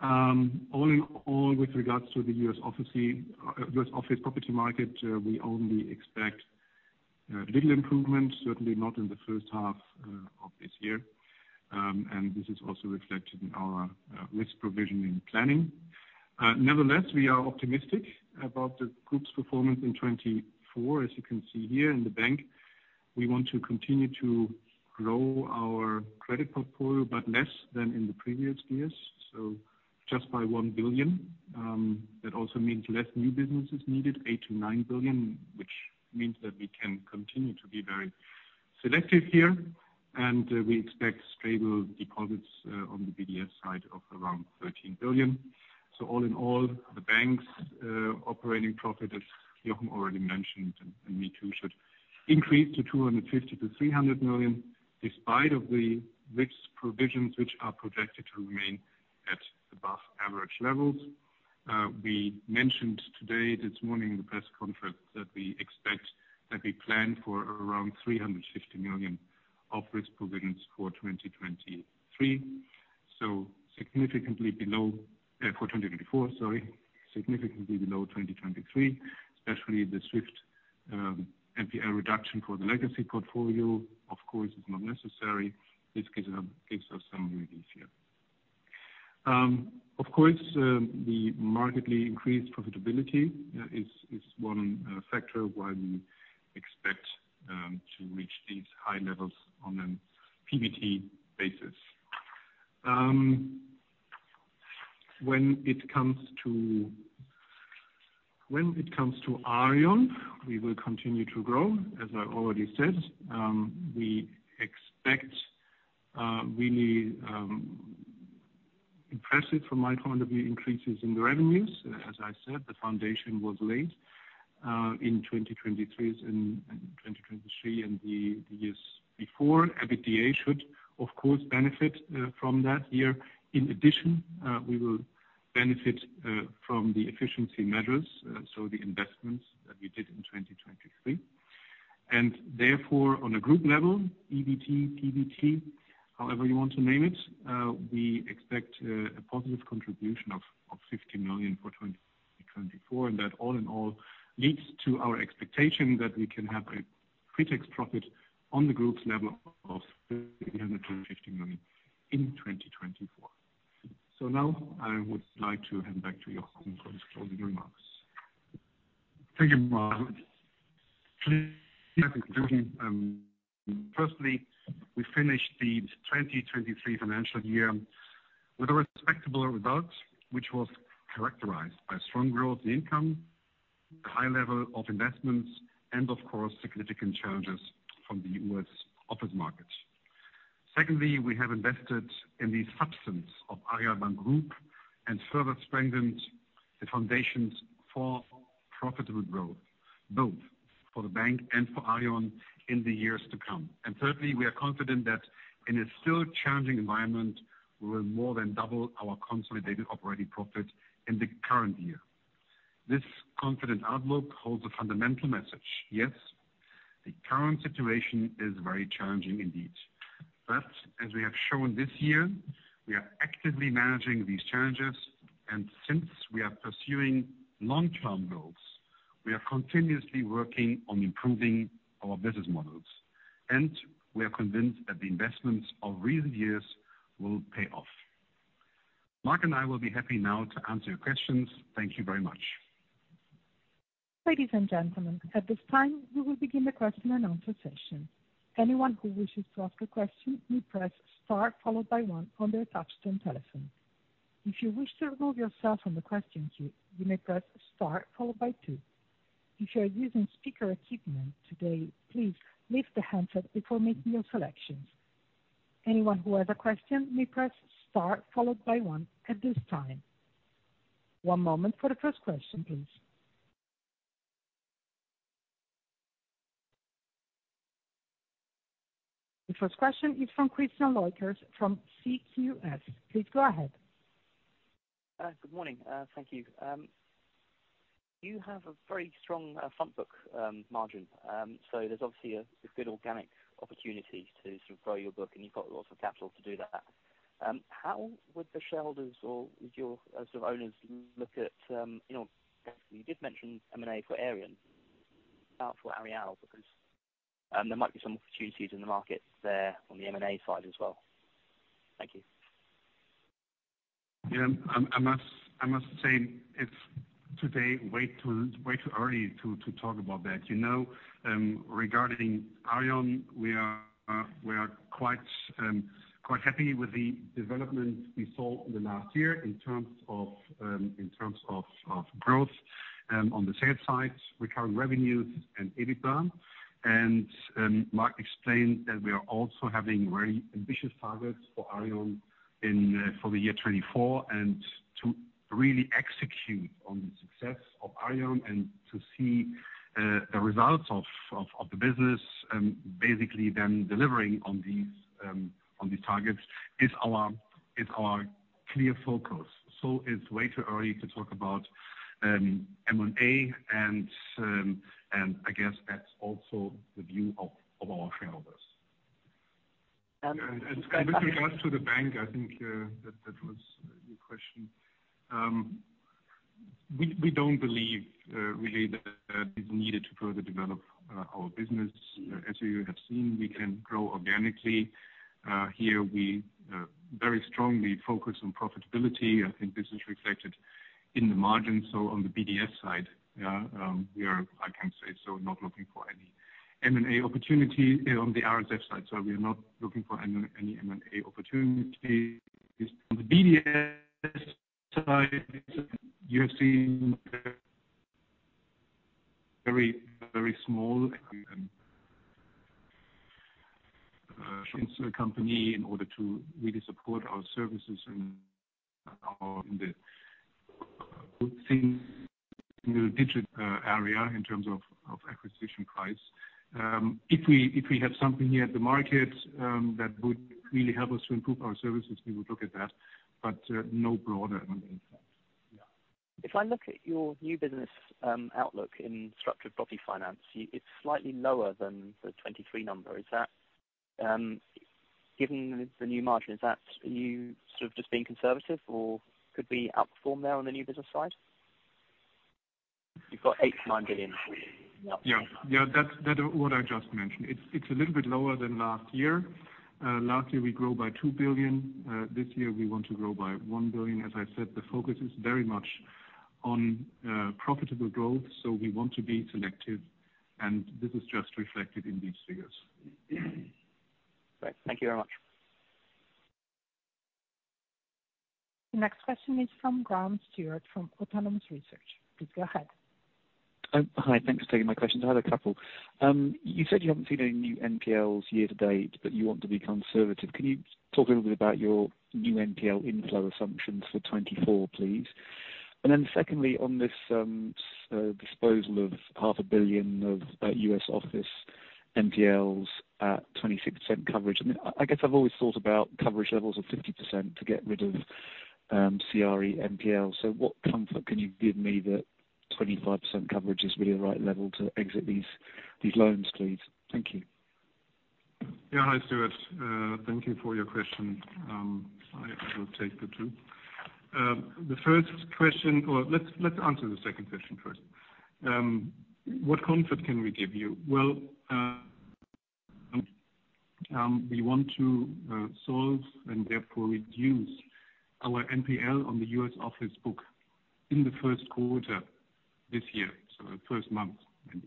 All in all, with regards to the U.S. office property market, we only expect little improvement, certainly not in the first half of this year. This is also reflected in our risk provisioning planning. Nevertheless, we are optimistic about the group's performance in 2024. As you can see here in the bank, we want to continue to grow our credit portfolio but less than in the previous years, so just by 1 billion. That also means less new business is needed, 8 billion-9 billion, which means that we can continue to be very selective here. We expect stable deposits on the BDS side of around 13 billion. All in all, the bank's operating profit, as Jochen already mentioned and me too, should increase to 250 million-300 million despite the risk provisions, which are projected to remain at above-average levels. We mentioned today, this morning, in the press conference, that we expect that we plan for around 350 million of risk provisions for 2023, so significantly below for 2024, sorry, significantly below 2023, especially the swift NPL reduction for the legacy portfolio. Of course, it's not necessary. This gives us some relief here. Of course, the markedly increased profitability is one factor why we expect to reach these high levels on a PBT basis. When it comes to Aareal, we will continue to grow. As I already said, we expect really impressive from my point of view increases in the revenues. As I said, the foundation was laid in 2023 and the years before. EBITDA should, of course, benefit from that here. In addition, we will benefit from the efficiency measures, so the investments that we did in 2023. Therefore, on a group level, EBT, PBT, however you want to name it, we expect a positive contribution of 50 million for 2024. That all in all leads to our expectation that we can have a pre-tax profit on the group's level of 350 million in 2024. Now I would like to hand back to Jochen for his closing remarks. Thank you, Marc. Firstly, we finished the 2023 financial year with a respectable result, which was characterized by strong growth in income, a high level of investments, and, of course, significant challenges from the U.S. office market. Secondly, we have invested in the substance of Aareal Bank Group and further strengthened the foundations for profitable growth, both for the bank and for Aareal in the years to come. And thirdly, we are confident that in a still challenging environment, we will more than double our consolidated operating profit in the current year. This confident outlook holds a fundamental message. Yes, the current situation is very challenging indeed. But as we have shown this year, we are actively managing these challenges. And since we are pursuing long-term goals, we are continuously working on improving our business models. And we are convinced that the investments of recent years will pay off. Marc and I will be happy now to answer your questions. Thank you very much. Ladies and gentlemen, at this time, we will begin the question-and-answer session. Anyone who wishes to ask a question may press star followed by one on their touchscreen telephone. If you wish to remove yourself from the question queue, you may press star followed by two. If you are using speaker equipment today, please lift the handset before making your selections. Anyone who has a question may press star followed by one at this time. One moment for the first question, please. The first question is from Christian Leukers from CQS. Please go ahead. Good morning. Thank you. You have a very strong frontbook margin. So there's obviously a good organic opportunity to sort of grow your book, and you've got lots of capital to do that. How would the shareholders or your sort of owners look at you did mention M&A for Aareon. About for Aareal because there might be some opportunities in the market there on the M&A side as well. Thank you. Yeah. I must say it's today way too early to talk about that. Regarding Aareon, we are quite happy with the development we saw in the last year in terms of growth on the sales side, recurring revenues, and EBITDA. Marc explained that we are also having very ambitious targets for Aareon for the year 2024 and to really execute on the success of Aareon and to see the results of the business basically then delivering on these targets is our clear focus. It's way too early to talk about M&A. I guess that's also the view of our shareholders. With regards to the bank, I think that was your question. We don't believe really that it's needed to further develop our business. As you have seen, we can grow organically. Here, we very strongly focus on profitability. I think this is reflected in the margins. So on the BDS side, yeah, I can say so not looking for any M&A opportunity on the RSF side. So we are not looking for any M&A opportunities. On the BDS side, you have seen very, very small. And [purchased] a company in order to really support our services in the single-digit area in terms of acquisition price. If we have something here at the market that would really help us to improve our services, we would look at that, but no broader M&A side. Yeah. If I look at your new business outlook in structured property finance, it's slightly lower than the 2023 number. Given the new margin, are you sort of just being conservative, or could we outperform there on the new business side? You've got 8 billion-9 billion. Yeah. Yeah. That's what I just mentioned. It's a little bit lower than last year. Last year, we grew by 2 billion. This year, we want to grow by 1 billion. As I said, the focus is very much on profitable growth. So we want to be selective. This is just reflected in these figures. Great. Thank you very much. The next question is from Stuart Graham from Autonomous Research. Please go ahead. Hi. Thanks for taking my question. I had a couple. You said you haven't seen any new NPLs year to date, but you want to be conservative. Can you talk a little bit about your new NPL inflow assumptions for 2024, please? And then secondly, on this disposal of 500 million of U.S. office NPLs at 26% coverage. I mean, I guess I've always thought about coverage levels of 50% to get rid of CRE NPL. So what comfort can you give me that 25% coverage is really the right level to exit these loans, please? Thank you. Yeah. Hi, Stuart. Thank you for your question. I will take the two. The first question or let's answer the second question first. What comfort can we give you? Well, we want to solve and therefore reduce our NPL on the U.S. office book in the first quarter this year, so the first month,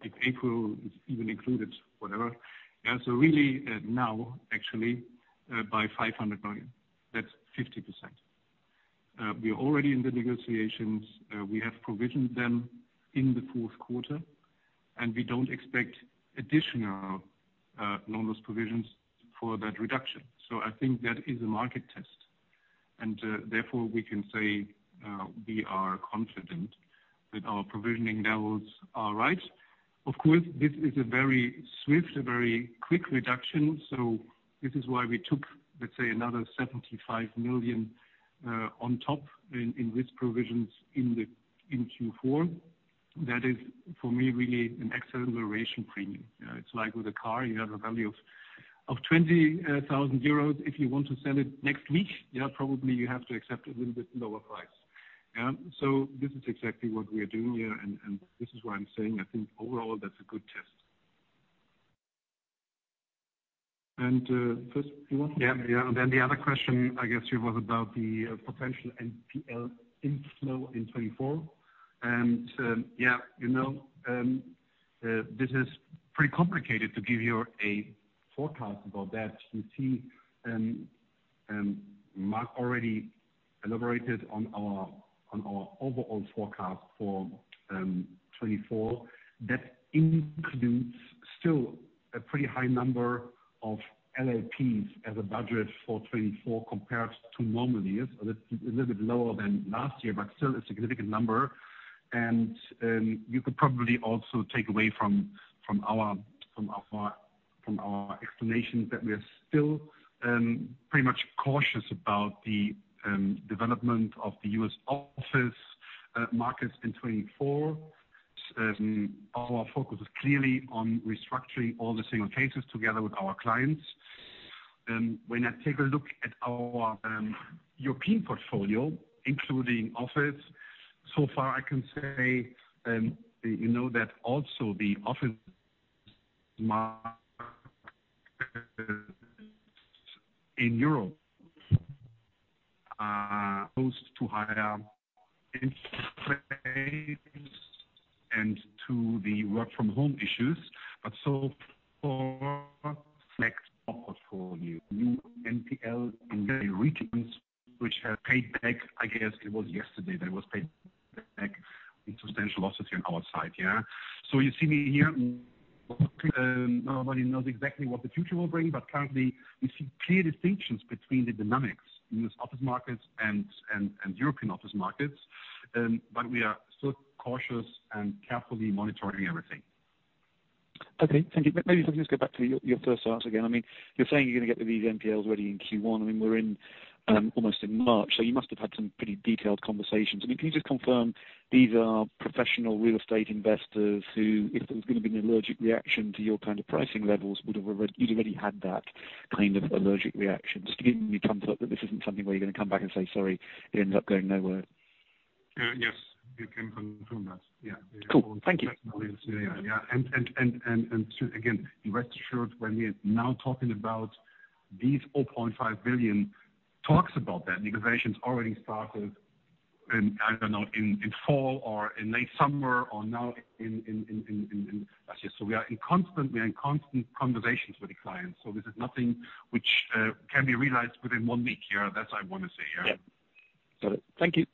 if April is even included, whatever. So really now, actually, by 500 million. That's 50%. We are already in the negotiations. We have provisioned them in the fourth quarter. And we don't expect additional loan loss provisions for that reduction. So I think that is a market test. And therefore, we can say we are confident that our provisioning levels are right. Of course, this is a very swift, a very quick reduction. So this is why we took, let's say, another 75 million on top in risk provisions in Q4. That is, for me, really an excellent valuation premium. It's like with a car. You have a value of 20,000 euros. If you want to sell it next week, yeah, probably you have to accept a little bit lower price. So this is exactly what we are doing here. And this is why I'm saying, I think overall, that's a good test. And first, do you want to? Yeah. Yeah. Then the other question, I guess, here was about the potential NPL inflow in 2024. And yeah, this is pretty complicated to give you a forecast about that. You see, Marc already elaborated on our overall forecast for 2024. That includes still a pretty high number of LLPs as a budget for 2024 compared to normally. So that's a little bit lower than last year, but still a significant number. And you could probably also take away from our explanations that we are still pretty much cautious about the development of the U.S. office markets in 2024. Our focus is clearly on restructuring all the single cases together with our clients. When I take a look at our European portfolio, including office, so far, I can say that also the office markets in Europe close to higher interest rates and to the work-from-home issues. But so far. Reflect our portfolio, new NPL in the regions, which has paid back I guess it was yesterday that it was paid back in substantial losses here on our side. Yeah? So you see me here. Nobody knows exactly what the future will bring. But currently, we see clear distinctions between the dynamics, U.S. office markets and European office markets. But we are still cautious and carefully monitoring everything. Okay. Thank you. Maybe if I can just go back to your first answer again. I mean, you're saying you're going to get these NPLs ready in Q1. I mean, we're almost in March. So you must have had some pretty detailed conversations. I mean, can you just confirm these are professional real estate investors who, if there was going to be an allergic reaction to your kind of pricing levels, you'd already had that kind of allergic reaction just to give me comfort that this isn't something where you're going to come back and say, "Sorry, it ended up going nowhere." Yes. You can confirm that. Yeah. Cool. Thank you. Yeah. Yeah. Yeah. And again, rest assured, when we are now talking about these 0.5 billion, talks about that. Negotiations already started. I don't know, in fall or in late summer or now in last year. So we are in constant conversations with the clients. So this is nothing which can be realized within one week. Yeah. That's what I want to say. Yeah. Yeah. Got it. Thank you.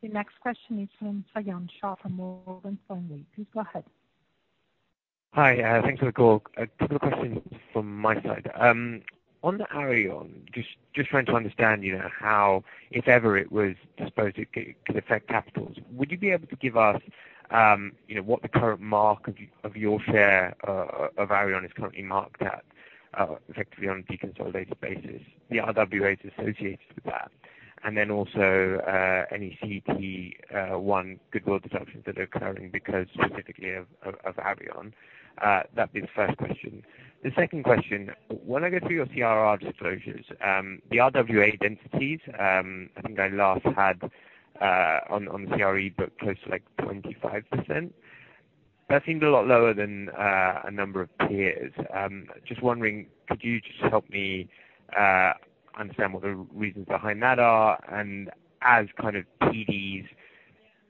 The next question is from Sajan Shah from Morgan Stanley. Please go ahead. Hi. Thanks for the call. A couple of questions from my side. On Aareon, just trying to understand how, if ever, it was disposed, it could affect capitals. Would you be able to give us what the current mark of your share of Aareon is currently marked at, effectively on a deconsolidated basis, the RWAs associated with that, and then also any CET 1 goodwill deductions that are occurring because specifically of Aareon? That'd be the first question. The second question, when I go through your CRR disclosures, the RWA densities, I think I last had on the CRE book close to 25%. That seemed a lot lower than a number of peers. Just wondering, could you just help me understand what the reasons behind that are? And as kind of PDs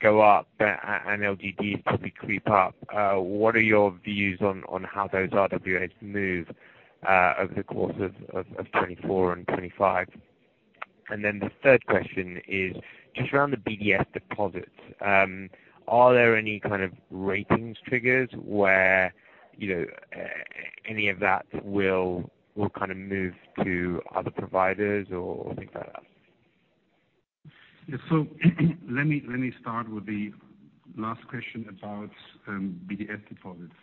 go up and LGDs typically creep up, what are your views on how those RWAs move over the course of 2024 and 2025? And then the third question is just around the BDS deposits. Are there any kind of ratings triggers where any of that will kind of move to other providers or things like that? Yeah. So let me start with the last question about BDS deposits.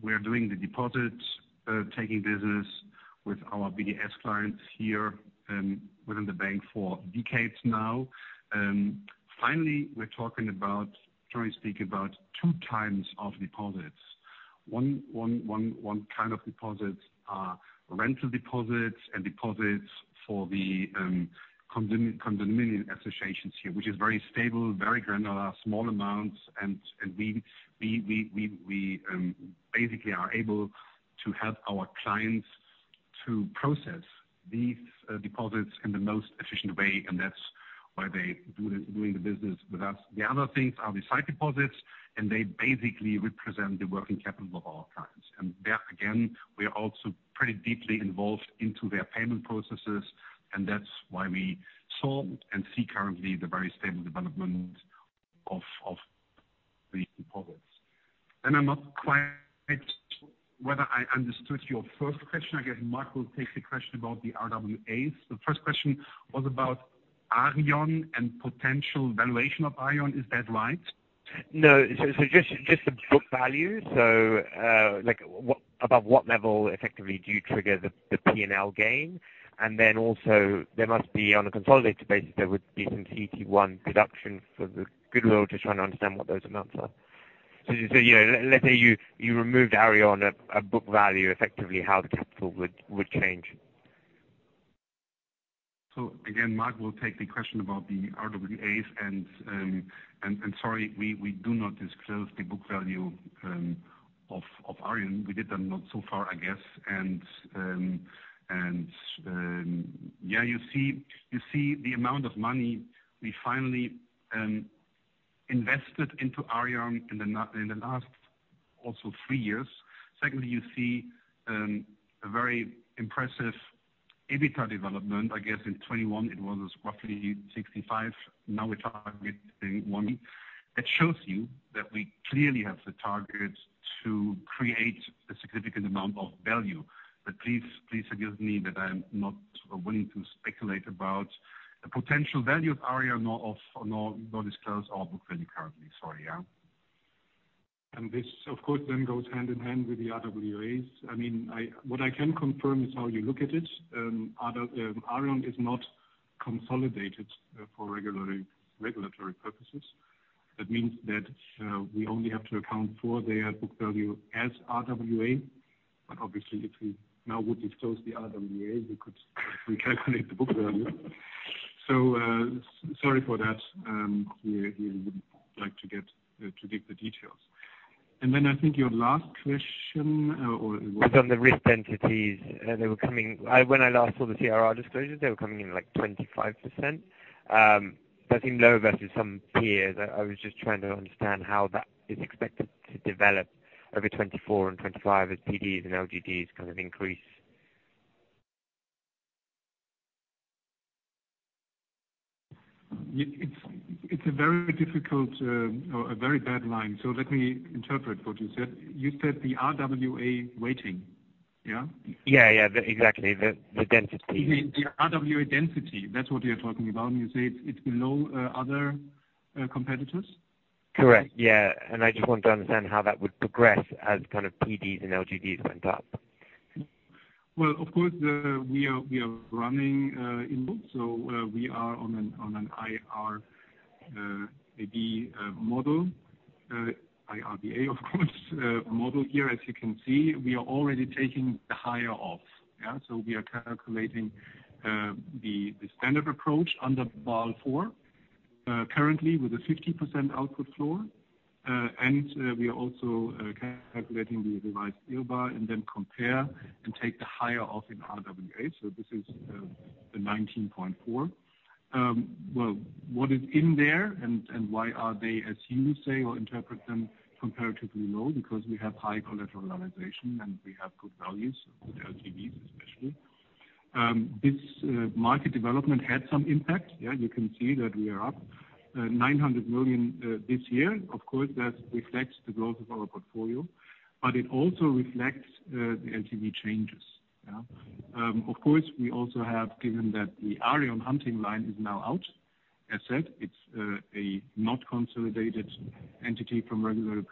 We are doing the deposit-taking business with our BDS clients here within the bank for decades now. Finally, we're talking about trying to speak about two types of deposits. One kind of deposits are rental deposits and deposits for the condominium associations here, which is very stable, very granular, small amounts. We basically are able to help our clients to process these deposits in the most efficient way. That's why they're doing the business with us. The other things are the sight deposits. They basically represent the working capital of our clients. Again, we are also pretty deeply involved into their payment processes. That's why we saw and see currently the very stable development of the deposits. I'm not quite sure whether I understood your first question. I guess Marc will take the question about the RWAs. The first question was about Aareon and potential valuation of Aareon. Is that right? No. So just the book value. So above what level, effectively, do you trigger the P&L gain? And then also, there must be on a consolidated basis, there would be some CET 1 deduction for the goodwill. Just trying to understand what those amounts are. So let's say you removed Aareon on a book value, effectively, how the capital would change? So again, Marc will take the question about the RWAs. And sorry, we do not disclose the book value of Aareon. We did that not so far, I guess. And yeah, you see the amount of money we finally invested into Aareon in the last also 3 years. Secondly, you see a very impressive EBITDA development. I guess in 2021, it was roughly 65. Now we're targeting. That shows you that we clearly have the targets to create a significant amount of value. But please forgive me that I'm not willing to speculate about the potential value of Aareon nor disclose our book value currently. Sorry. Yeah? And this, of course, then goes hand in hand with the RWAs. I mean, what I can confirm is how you look at it. Aareon is not consolidated for regulatory purposes. That means that we only have to account for their book value as RWA. But obviously, if we now would disclose the RWA, we could recalculate the book value. So sorry for that. We wouldn't like to give the details. And then I think your last question or it was. It was on the risk entities. When I last saw the CRR disclosures, they were coming in 25%. That seemed lower versus some peers. I was just trying to understand how that is expected to develop over 2024 and 2025 as PDs and LGDs kind of increase. It's a very difficult or a very bad line. So let me interpret what you said. You said the RWA weighting. Yeah? Yeah. Yeah. Exactly. The density. You mean the RWA density. That's what you're talking about. And you say it's below other competitors? Correct. Yeah. And I just want to understand how that would progress as kind of PDs and LGDs went up. Well, of course, we are running in-book. So we are on an IRBA model, IRBA, of course, model here. As you can see, we are already taking the higher off. Yeah? So we are calculating the standard approach under Basel IV currently with a 50% output floor. And we are also calculating the revised IRBA and then compare and take the higher of in RWA. So this is the 19.4%. Well, what is in there and why are they, as you say, or interpret them, comparatively low? Because we have high collateralization, and we have good values, good LTVs especially. This market development had some impact. Yeah? You can see that we are up 900 million this year. Of course, that reflects the growth of our portfolio. But it also reflects the LTV changes. Yeah? Of course, we also have given that the Aareal funding line is now out. As said, it's a non-consolidated entity from regulatory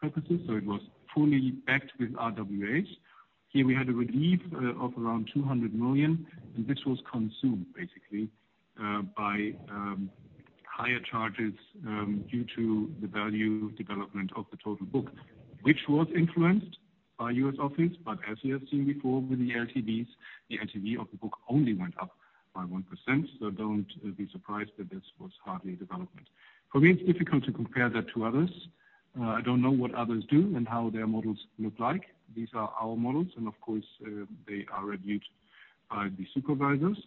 purposes. So it was fully backed with RWAs. Here, we had a relief of around 200 million. And this was consumed, basically, by higher charges due to the value development of the total book, which was influenced by U.S. office. But as we have seen before with the LTVs, the LTV of the book only went up by 1%. So don't be surprised that this was hardly a development. For me, it's difficult to compare that to others. I don't know what others do and how their models look like. These are our models. And of course, they are reviewed by the supervisors.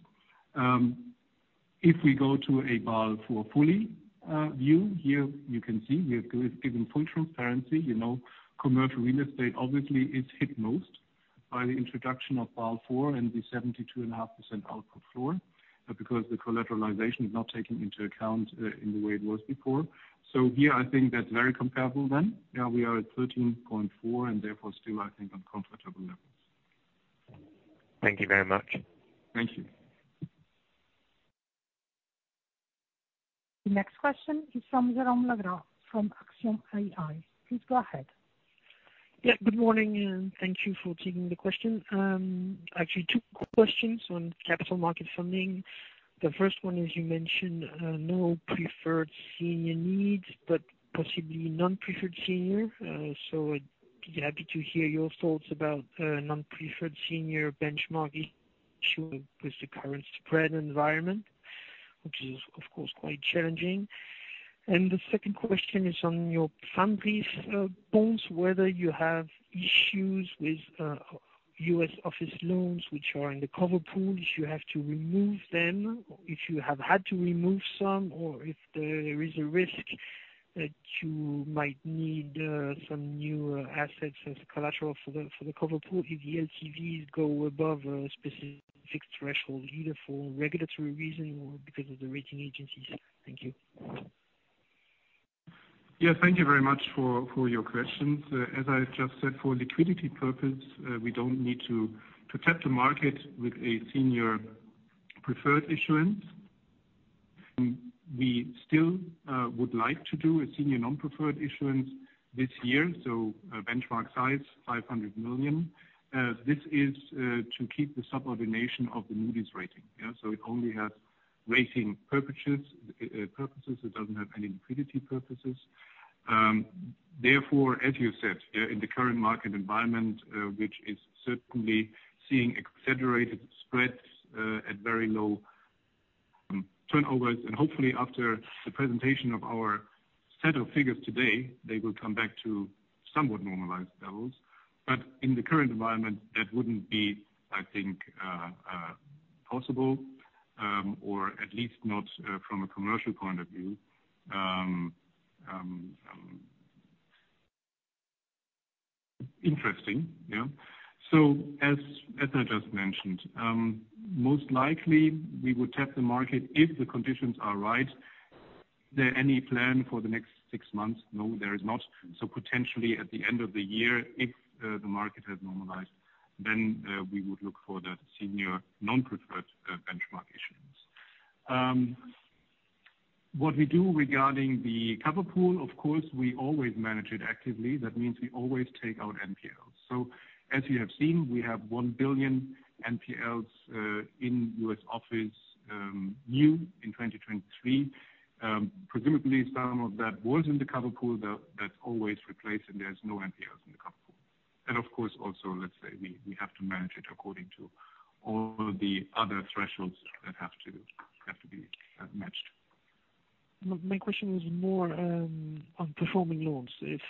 If we go to a Basel IV full view, here, you can see we have given full transparency. Commercial real estate, obviously, is hit most by the introduction of Basel IV and the 72.5% output floor because the collateralization is not taken into account in the way it was before. So here, I think that's very comparable then. Yeah? We are at 13.4 and therefore still, I think, on comfortable levels. Thank you very much. Thank you. The next question is from Jérôme Legras from Axiom AI. Please go ahead. Yeah. Good morning. Thank you for taking the question. Actually, two questions on capital market funding. The first one is you mentioned no senior preferred needs but possibly senior non-preferred. So I'd be happy to hear your thoughts about senior non-preferred benchmark issue with the current spread environment, which is, of course, quite challenging. And the second question is on your fundraise points, whether you have issues with U.S. office loans, which are in the cover pool. If you have to remove them, if you have had to remove some, or if there is a risk that you might need some new assets as collateral for the cover pool, if the LTVs go above a specific threshold, either for regulatory reason or because of the rating agencies. Thank you. Yeah. Thank you very much for your questions. As I just said, for liquidity purposes, we don't need to tap the market with a senior preferred issuance. We still would like to do a senior non-preferred issuance this year. So benchmark size, 500 million. This is to keep the subordination of the Moody's rating. Yeah? So it only has rating purposes. It doesn't have any liquidity purposes. Therefore, as you said, in the current market environment, which is certainly seeing accelerated spreads at very low turnovers and hopefully, after the presentation of our set of figures today, they will come back to somewhat normalized levels. But in the current environment, that wouldn't be, I think, possible or at least not from a commercial point of view. Interesting. Yeah? So as I just mentioned, most likely, we would tap the market if the conditions are right. Is there any plan for the next six months? No, there is not. So potentially, at the end of the year, if the market has normalized, then we would look for that senior non-preferred benchmark issuance. What we do regarding the cover pool, of course, we always manage it actively. That means we always take out NPLs. So as you have seen, we have 1 billion NPLs in U.S. office new in 2023. Presumably, some of that was in the cover pool. That's always replaced. And there's no NPLs in the cover pool. And of course, also, let's say, we have to manage it according to all the other thresholds that have to be matched. My question is more on performing loans. If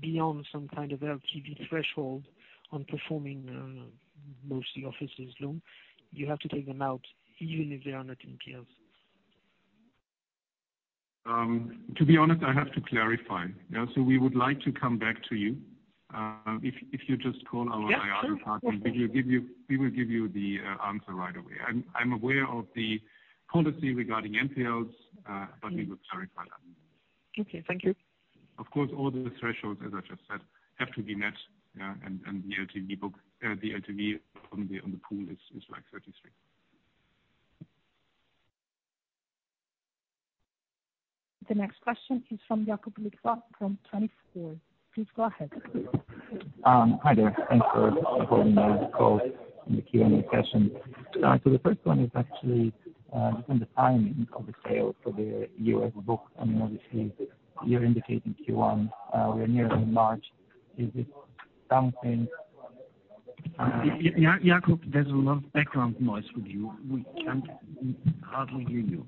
beyond some kind of LTV threshold on performing mostly offices' loan, you have to take them out even if they are not NPLs? To be honest, I have to clarify. Yeah? So we would like to come back to you. If you just call our IR department, we will give you the answer right away. I'm aware of the policy regarding NPLs, but we will clarify that. Okay. Thank you. Of course, all the thresholds, as I just said, have to be met. Yeah? And the LTV on the pool is 33. The next question is from Jakub Lichwa from TwentyFour. Please go ahead. Hi there. Thanks for joining the call and the Q&A session. So the first one is actually just on the timing of the sale for the U.S. book. I mean, obviously, you're indicating Q1. We are nearing March. Is this something? Jakub, there's a lot of background noise with you. We can hardly hear you.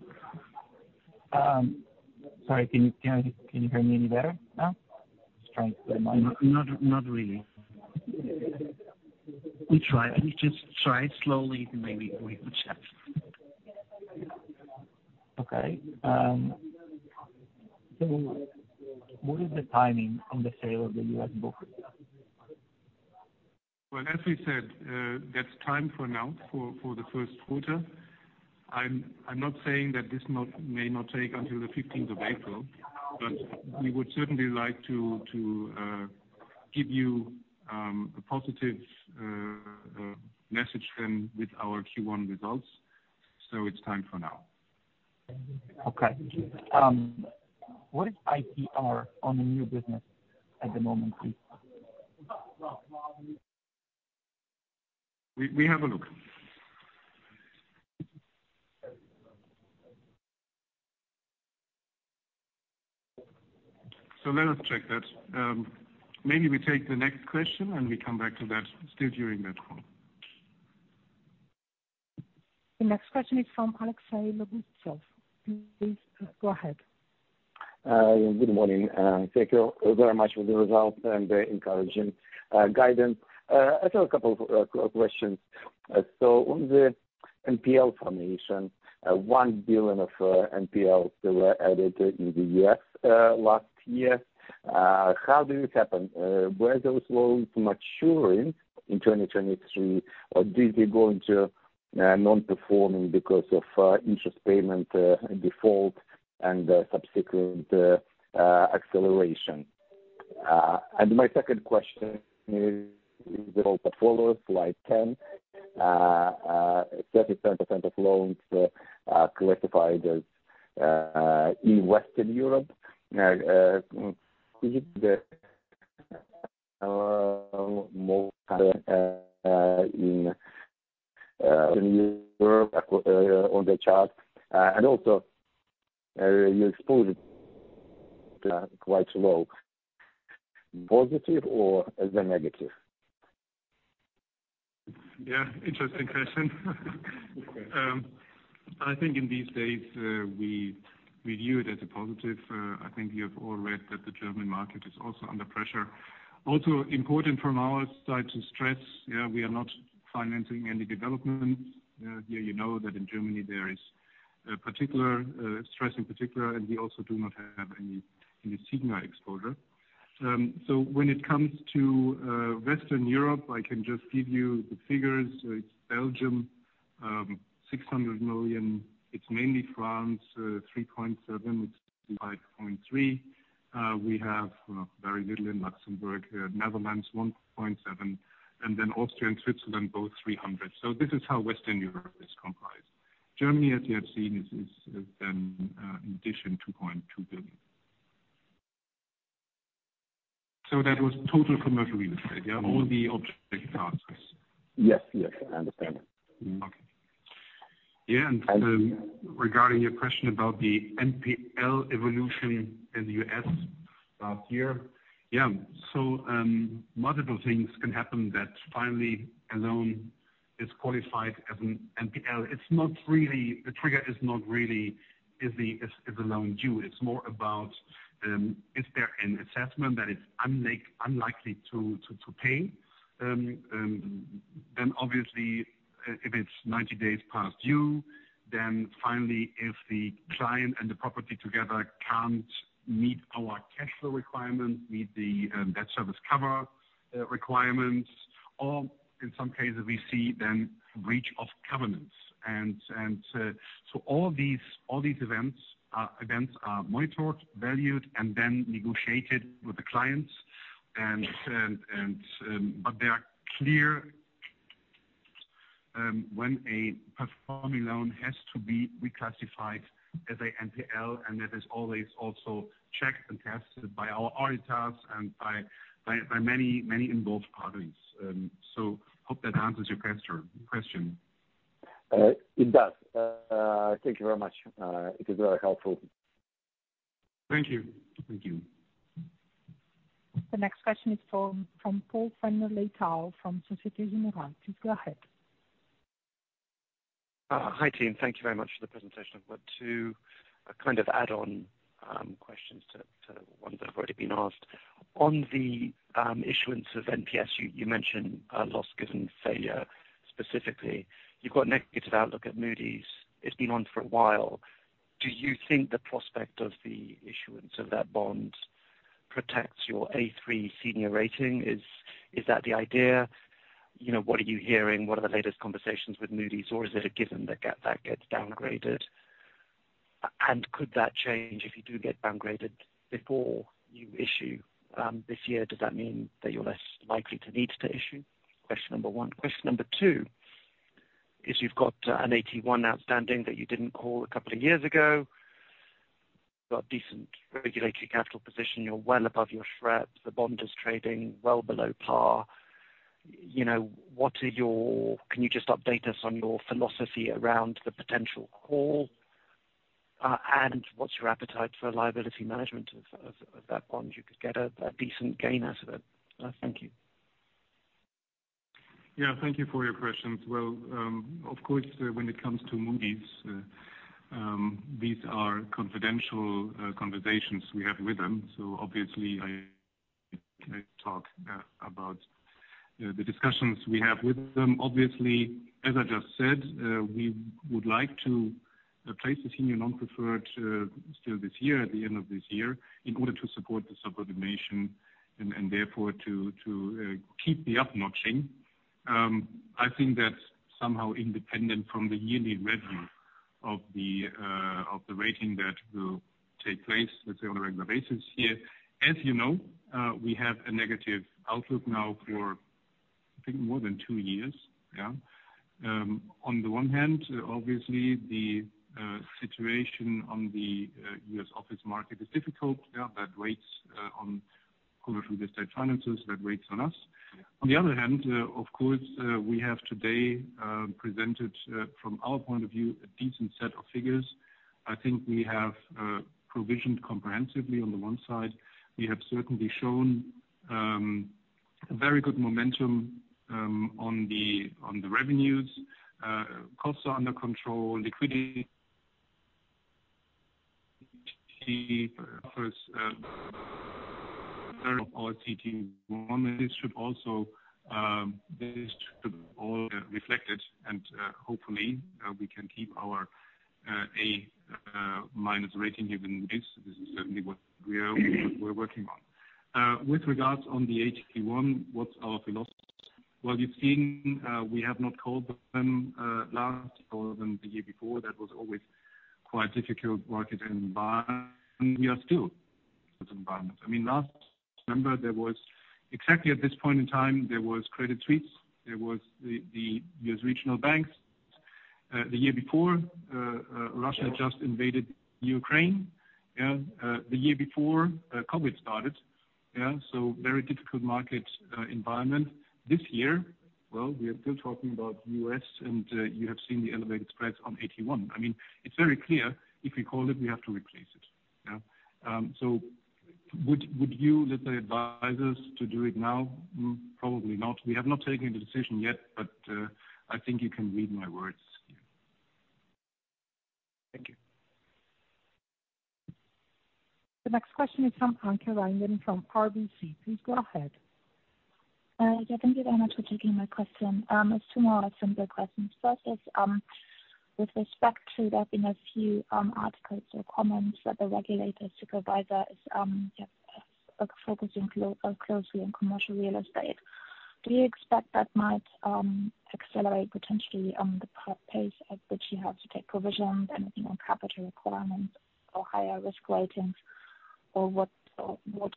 Sorry. Can you hear me any better now? Just trying to put a mind. Not really. We try. We just try slowly. Then maybe we will chat. Okay. So what is the timing on the sale of the U.S. book? Well, as we said, that's time for now for the first quarter. I'm not saying that this may not take until the 15th of April. But we would certainly like to give you a positive message then with our Q1 results. So it's time for now. Okay. What is IPR on the new business at the moment, please? We have a look. So let us check that. Maybe we take the next question, and we come back to that still during that call. The next question is from Alexei Lougovtsov. Please go ahead. Good morning. Thank you very much for the results and the encouraging guidance. I have a couple of questions. So on the NPL formation, 1 billion of NPLs were added in the U.S. last year. How did it happen? Were those loans maturing in 2023, or did they go into non-performing because of interest payment default and subsequent acceleration? And my second question is, is there a portfolio slide 10, 37% of loans classified as in Western Europe? Is it the most. Are in Western Europe on the chart. And also, you exposed it quite low. Positive or is that negative? Yeah. Interesting question. I think in these days, we view it as a positive. I think you have all read that the German market is also under pressure. Also, important from our side to stress, yeah, we are not financing any development. Here, you know that in Germany, there is stress in particular. And we also do not have any senior exposure. So when it comes to Western Europe, I can just give you the figures. It's Belgium, 600 million. It's mainly France, 3.7 billion. It's 5.3 billion. We have very little in Luxembourg, Netherlands, 1.7 billion. And then Austria and Switzerland, both 300 million. So this is how Western Europe is comprised. Germany, as you have seen, is then in addition, 2.2 billion. So that was total commercial real estate. Yeah? All the object classes. Yes. Yes. I understand. Okay. Yeah. And regarding your question about the NPL evolution in the U.S. last year, yeah, so multiple things can happen that finally a loan is qualified as an NPL. The trigger is not really, "Is the loan due?" It's more about, "Is there an assessment that it's unlikely to pay?" Then obviously, if it's 90 days past due, then finally, if the client and the property together can't meet our cash flow requirements, meet the debt service cover requirements, or in some cases, we see then breach of covenants. And so all these events are monitored, valued, and then negotiated with the clients. But they are clear when a performing loan has to be reclassified as an NPL. And that is always also checked and tested by our auditors and by many, many involved parties. So hope that answers your question. It does. Thank you very much. It is very helpful. Thank you. Thank you. The next question is from Paul Fenner-Leitao from Société Générale. Please go ahead. Hi, team. Thank you very much for the presentation. But two kind of add-on questions to ones that have already been asked. On the issuance of NPS, you mentioned loss given failure specifically. You've got a negative outlook at Moody's. It's been on for a while. Do you think the prospect of the issuance of that bond protects your A3 senior rating? Is that the idea? What are you hearing? What are the latest conversations with Moody's? Or is it a given that that gets downgraded? And could that change if you do get downgraded before you issue this year? Does that mean that you're less likely to need to issue? Question number one. Question number two is you've got an AT1 outstanding that you didn't call a couple of years ago. You've got decent regulatory capital position. You're well above your SREP. The bond is trading well below par. Can you just update us on your philosophy around the potential call? And what's your appetite for liability management of that bond? You could get a decent gain out of it. Thank you. Yeah. Thank you for your questions. Well, of course, when it comes to Moody's, these are confidential conversations we have with them. So obviously, I talk about the discussions we have with them. Obviously, as I just said, we would like to place the senior non-preferred still this year, at the end of this year, in order to support the subordination and therefore to keep the upnotching. I think that's somehow independent from the yearly review of the rating that will take place, let's say, on a regular basis here. As you know, we have a negative outlook now for, I think, more than two years. Yeah? On the one hand, obviously, the situation on the U.S. office market is difficult. Yeah? That weighs on commercial real estate finance. That weighs on us. On the other hand, of course, we have today presented, from our point of view, a decent set of figures. I think we have provisioned comprehensively on the one side. We have certainly shown very good momentum on the revenues. Costs are under control. Liquidity offers very. Of our CET 1. This should also all be reflected. Hopefully, we can keep our A-rating given this. This is certainly what we're working on. With regards to the AT1, what's our philosophy? Well, you've seen, we have not called them last or then the year before. That was always quite difficult markets in the past. And we are still. Environment. I mean, last November, exactly at this point in time, there was Credit Suisse. There was the U.S. regional banks. The year before, Russia just invaded Ukraine. Yeah? The year before, COVID started. Yeah? So very difficult market environment. This year, well, we are still talking about U.S. And you have seen the elevated spreads on AT1. I mean, it's very clear. If we call it, we have to replace it. Yeah? So would you, let's say, advise us to do it now? Probably not. We have not taken the decision yet. But I think you can read my words here. Thank you. The next question is from Anke Reingen from RBC. Please go ahead. Yeah. Thank you very much for taking my question. There's two more excellent good questions. First is with respect to there being a few articles or comments that the regulator's supervisor is focusing closely on commercial real estate, do you expect that might accelerate potentially the pace at which you have to take provisions, anything on capital requirements or higher risk ratings, or what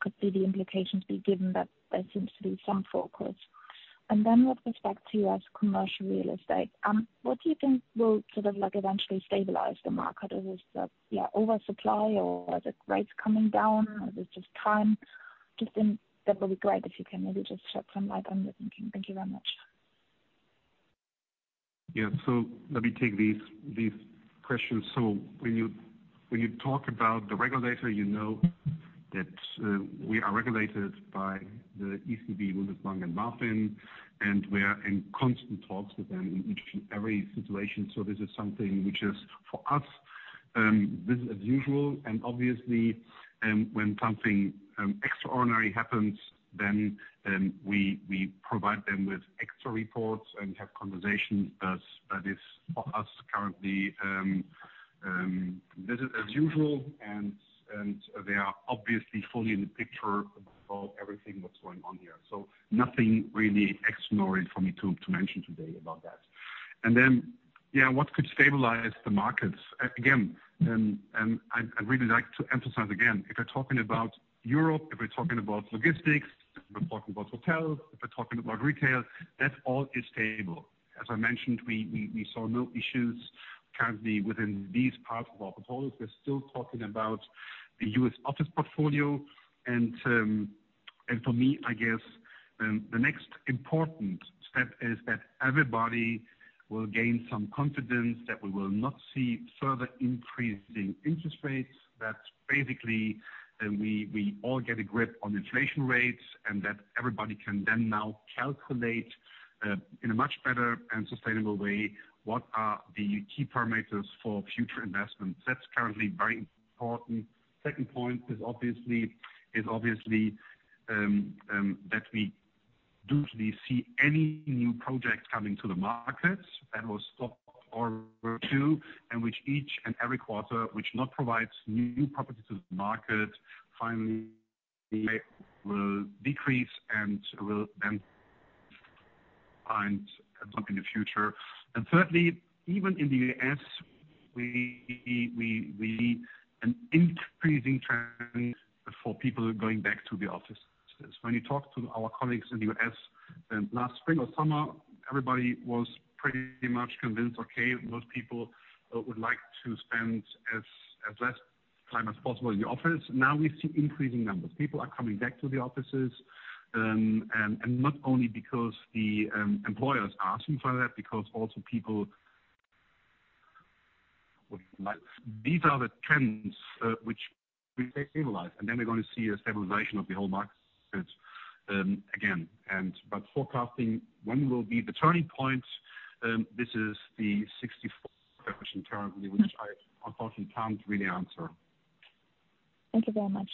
could be the implications be given that there seems to be some focus? And then with respect to U.S. commercial real estate, what do you think will sort of eventually stabilize the market? Is it the oversupply, or is it rates coming down? Is it just time? just think that would be great if you can maybe just shed some light on your thinking. Thank you very much. Yeah. So let me take these questions. So when you talk about the regulator, you know that we are regulated by the ECB, Bundesbank, and BaFin. And we are in constant talks with them in every situation. So this is something which is for us, this is as usual. And obviously, when something extraordinary happens, then we provide them with extra reports and have conversations. But that is for us currently, this is as usual. And they are obviously fully in the picture of everything that's going on here. So nothing really extraordinary for me to mention today about that. And then, yeah, what could stabilize the markets? Again, and I'd really like to emphasize again, if we're talking about Europe, if we're talking about logistics, if we're talking about hotels, if we're talking about retail, that all is stable. As I mentioned, we saw no issues currently within these parts of our portfolio. We're still talking about the U.S. office portfolio. And for me, I guess, the next important step is that everybody will gain some confidence that we will not see further increasing interest rates. That basically, we all get a grip on inflation rates. And that everybody can then now calculate in a much better and sustainable way what are the key parameters for future investments. That's currently very important. Second point is obviously that we do not see any new projects coming to the markets that will stop or. To and which each and every quarter, which not provides new property to the market, finally will decrease and will then find something in the future. And thirdly, even in the U.S., we see an increasing trend for people going back to the offices. When you talk to our colleagues in the U.S. last spring or summer, everybody was pretty much convinced, "Okay. Most people would like to spend as less time as possible in the office." Now we see increasing numbers. People are coming back to the offices. And not only because the employers are asking for that, because also people would. These are the trends which we say stabilize. And then we're going to see a stabilization of the whole market again. But forecasting when will be the turning point, this is the 64th question currently, which I unfortunately can't really answer. Thank you very much.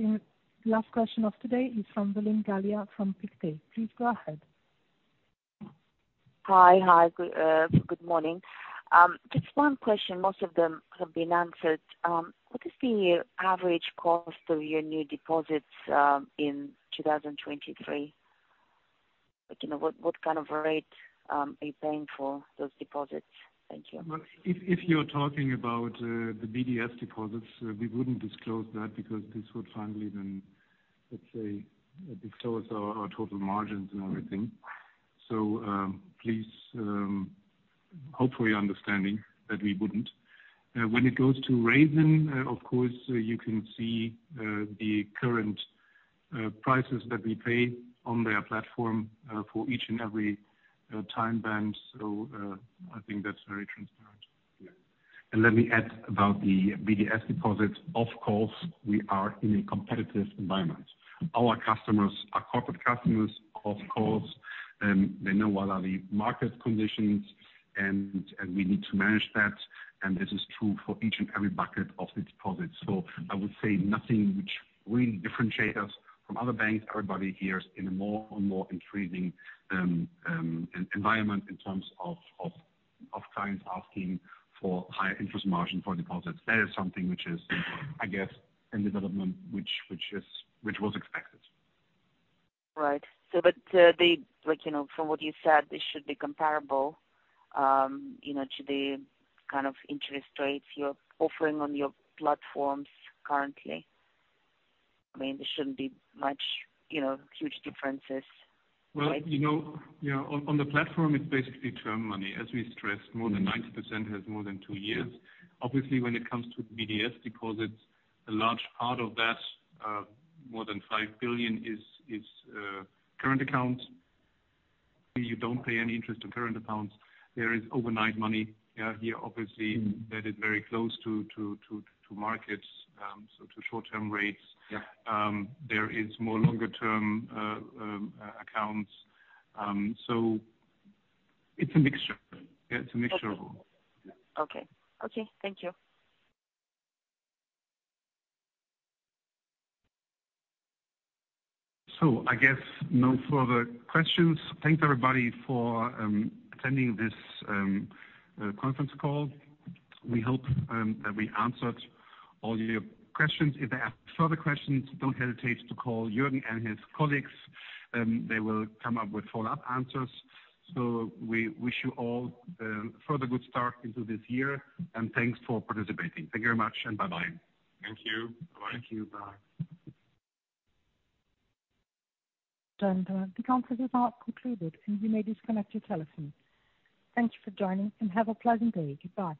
Welcome. Last question of today is from Galia Velimukhametova from Pictet. Please go ahead. Hi. Hi. Good morning. Just one question. Most of them have been answered. What is the average cost of your new deposits in 2023? What kind of rate are you paying for those deposits? Thank you. If you're talking about the BDS deposits, we wouldn't disclose that because this would finally then, let's say, disclose our total margins and everything. So please, hopefully, understanding that we wouldn't. When it goes to Raisin, of course, you can see the current prices that we pay on their platform for each and every time band. So I think that's very transparent. And let me add about the BDS deposits. Of course, we are in a competitive environment. Our customers are corporate customers. Of course, they know what are the market conditions. And we need to manage that. This is true for each and every bucket of the deposits. So I would say nothing which really differentiates us from other banks. Everybody here is in a more and more increasing environment in terms of clients asking for higher interest margin for deposits. That is something which is, I guess, a development which was expected. Right. But from what you said, this should be comparable to the kind of interest rates you're offering on your platforms currently. I mean, there shouldn't be much huge differences, right? Well, yeah. On the platform, it's basically term money, as we stressed. More than 90% has more than two years. Obviously, when it comes to BDS deposits, a large part of that, more than 5 billion, is current accounts. You don't pay any interest on current accounts. There is overnight money. Yeah? Here, obviously, that is very close to markets, so to short-term rates. There is more longer-term accounts. So it's a mixture. Yeah. It's a mixture of all. Okay. Okay. Thank you. So I guess no further questions. Thanks, everybody, for attending this conference call. We hope that we answered all your questions. If there are further questions, don't hesitate to call Jürgen and his colleagues. They will come up with follow-up answers. So we wish you all a further good start into this year. And thanks for participating. Thank you very much. And bye-bye. Thank you. Bye-bye. Thank you. Bye. Done. The conference is now concluded. And you may disconnect your telephone. Thank you for joining. And have a pleasant day. Goodbye.